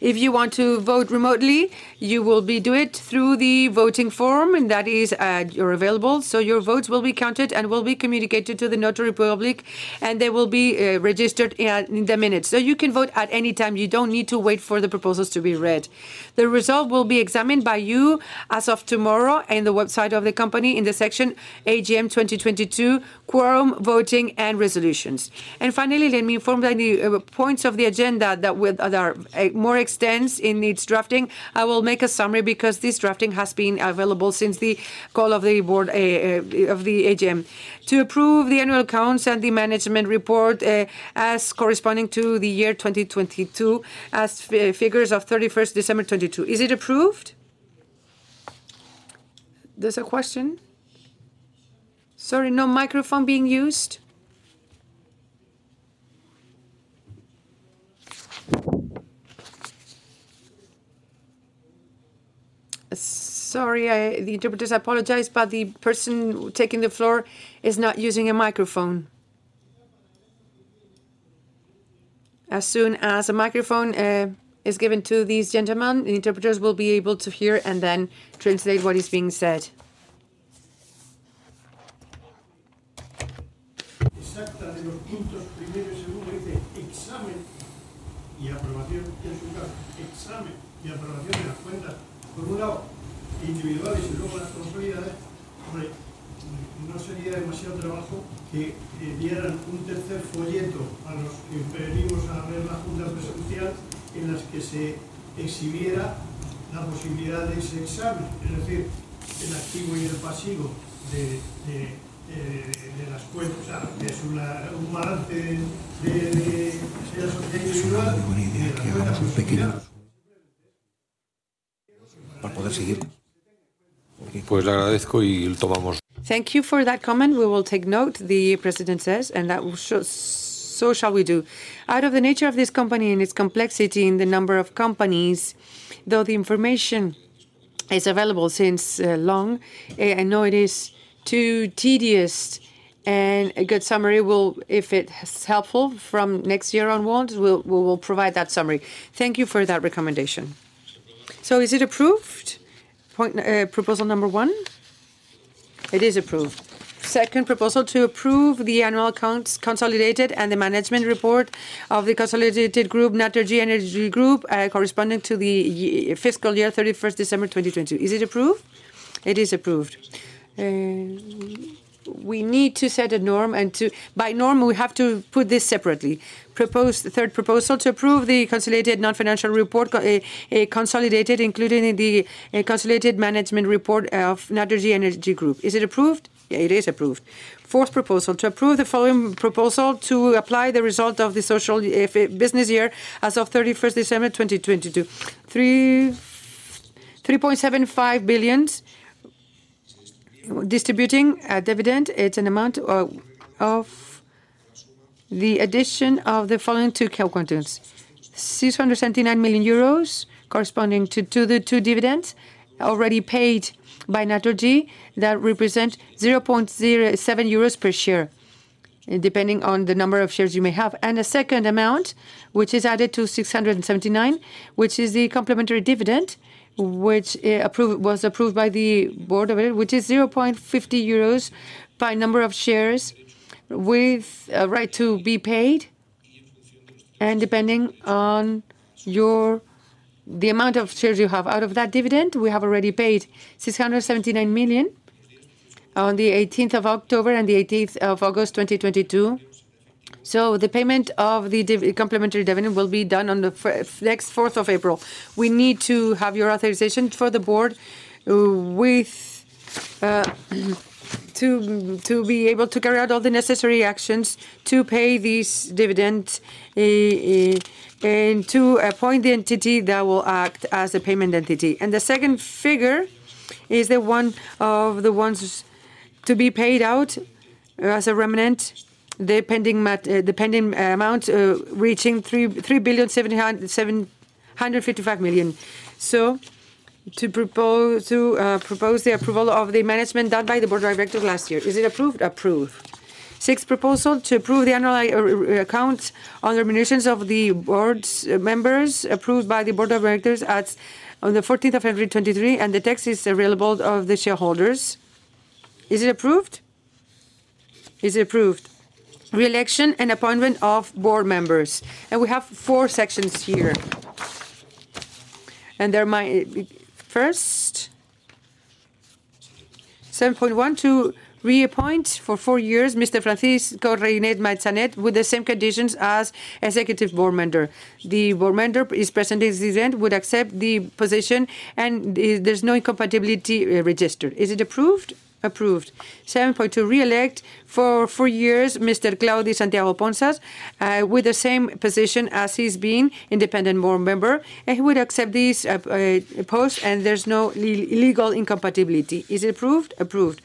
If you want to vote remotely, you will be do it through the voting form, and that is available, so your votes will be counted and will be communicated to the notary public, and they will be registered in the minutes. You can vote at any time. You don't need to wait for the proposals to be read. The result will be examined by you as of tomorrow in the website of the company in the section AGM 2022 Quorum, Voting, and Resolutions. Finally, let me inform that the points of the agenda that with there are more extends in its drafting, I will make a summary because this drafting has been available since the call of the board of the AGM. To approve the annual accounts and the management report as corresponding to the year 2022 as figures of 31st December 2022. Is it approved? There's a question? Sorry, no microphone being used. Sorry, The interpreters apologize, but the person taking the floor is not using a microphone. As soon as a microphone is given to this gentleman, the interpreters will be able to hear and then translate what is being said. Thank you for that comment. We will take note, the president says, and that so shall we do. Out of the nature of this company and its complexity in the number of companies, though the information is available since long, I know it is too tedious, and a good summary will, if it is helpful from next year onwards, we will provide that summary. Thank you for that recommendation. Is it approved? Point, proposal numberone? It is approved. Second proposal, to approve the annual accounts consolidated and the management report of the consolidated group, Naturgy Energy Group, corresponding to the fiscal year, 31st December 2022. Is it approved? It is approved. We need to set a norm and to. By norm, we have to put this separately. Propose the third proposal to approve the consolidated non-financial report consolidated, including the consolidated management report of Naturgy Energy Group. Is it approved? It is approved. Fourth proposal, to approve the following proposal to apply the result of the social business year as of 31st December 2022. 3.75 billion. Distributing a dividend. It's an amount of the addition of the following two calculations. 679 million euros corresponding to the two dividends already paid by Naturgy that represent 0.07 euros per share, depending on the number of shares you may have. And a second amount, which is added to 679, which is the complimentary dividend, which was approved by the board over, which is 0.50 euros by number of shares with a right to be paid, and depending on your... the amount of shares you have. Out of that dividend, we have already paid 679 million on the 18th of October and the 18th of August 2022. The payment of the complimentary dividend will be done on the next 4th of April. We need to have your authorization for the board with to be able to carry out all the necessary actions to pay this dividend and to appoint the entity that will act as the payment entity. The second figure is the one of the ones to be paid out as a remnant, the pending amount reaching 3.755 billion. To propose, to propose the approval of the management done by the board of directors last year. Is it approved? Approved. Sixth proposal, to approve the annual accounts on the remunerations of the board's members approved by the board of directors on February 14, 2023. The text is available of the shareholders. Is it approved? It's approved. Re-election and appointment of board members. We have four sections here. First, 7.1, to reappoint for four years Mr. Francisco Reynés Massanet with the same conditions as executive board member. The board member is present at this event, would accept the position. There's no incompatibility registered. Is it approved? Approved. 7.2, re-elect for four years Mr. Claudi Santiago Ponsa with the same position as he's been, independent board member. He would accept this post. There's no legal incompatibility. Is it approved? Approved.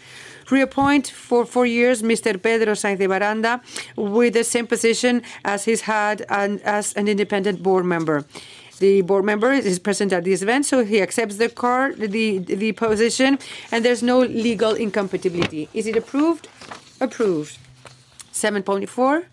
Reappoint for four years Mr. Pedro Sainz de Baranda with the same position as he's had as an independent board member. The board member is present at this event, so he accepts the position, and there's no legal incompatibility. Is it approved? Approved. 7.4,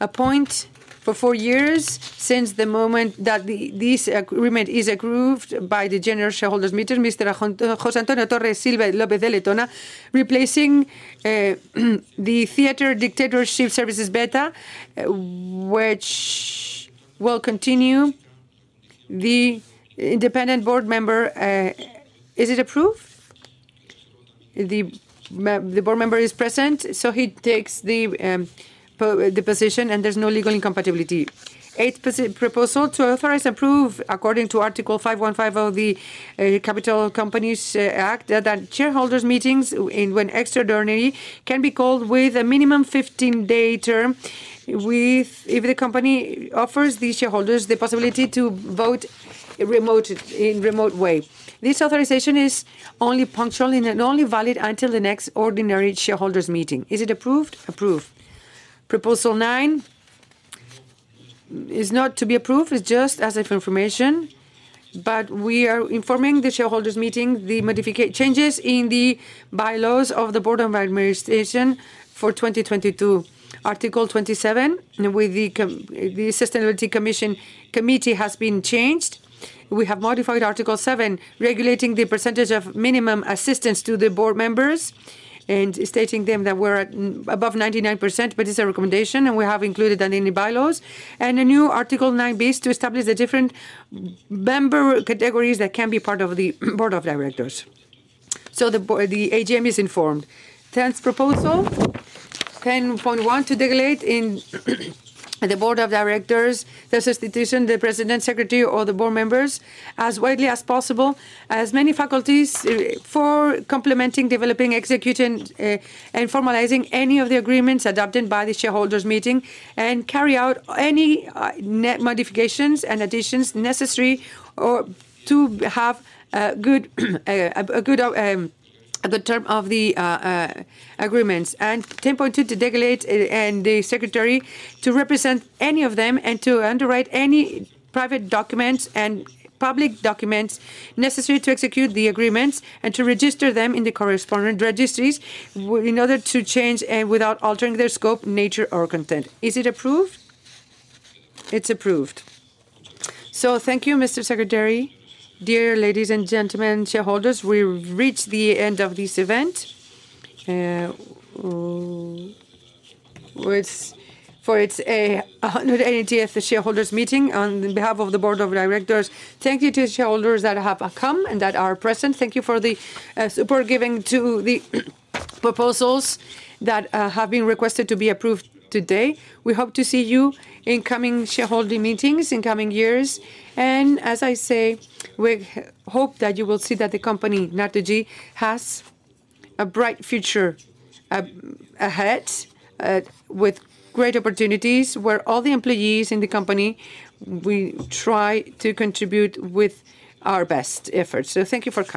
appoint for 4 years since the moment that this agreement is approved by the general shareholders meeting, Mr. José Antonio de Torres-Silva López de Letona, replacing Theatre Directorship Services Beta, which will continue the independent board member. Is it approved? The board member is present, so he takes the position, and there's no legal incompatibility. Eighth proposal, to authorize, approve, according to Article 515 of the Capital Companies Act, that shareholders meetings when extraordinary can be called with a minimum 15-day term with if the company offers the shareholders the possibility to vote remote, in remote way. This authorization is only punctual and only valid until the next ordinary shareholders meeting. Is it approved? Approved. Proposal nine is not to be approved. It's just as of information. We are informing the shareholders meeting the changes in the bylaws of the board of administrators for 2022. Article 27 with the Sustainability Committee has been changed. We have modified Article 7, regulating the percentage of minimum assistance to the board members and stating them that we're at above 99%, but it's a recommendation, we have included that in the bylaws. A new Article 9 based to establish the different member categories that can be part of the board of directors. The AGM is informed. 10th proposal, 10.1, to delegate in the board of directors the institution, the president, Secretary, or the board members, as widely as possible, as many faculties for complementing, developing, executing, and formalizing any of the agreements adopted by the shareholders meeting and carry out any net modifications and additions necessary or to have a good the term of the agreements. 10.2, to delegate and the Secretary to represent any of them and to underwrite any private documents and public documents necessary to execute the agreements and to register them in the correspondent registries in order to change without altering their scope, nature, or content. Is it approved? It's approved. Thank you, Mr. Secretary. Dear ladies and gentlemen, shareholders, we reach the end of this event with for its 180th shareholders meeting. On behalf of the board of directors, thank you to the shareholders that have come and that are present. Thank you for the support given to the proposals that have been requested to be approved today. We hope to see you in coming shareholder meetings in coming years. As I say, we hope that you will see that the company, Naturgy, has a bright future ahead, with great opportunities, where all the employees in the company, we try to contribute with our best efforts. Thank you for coming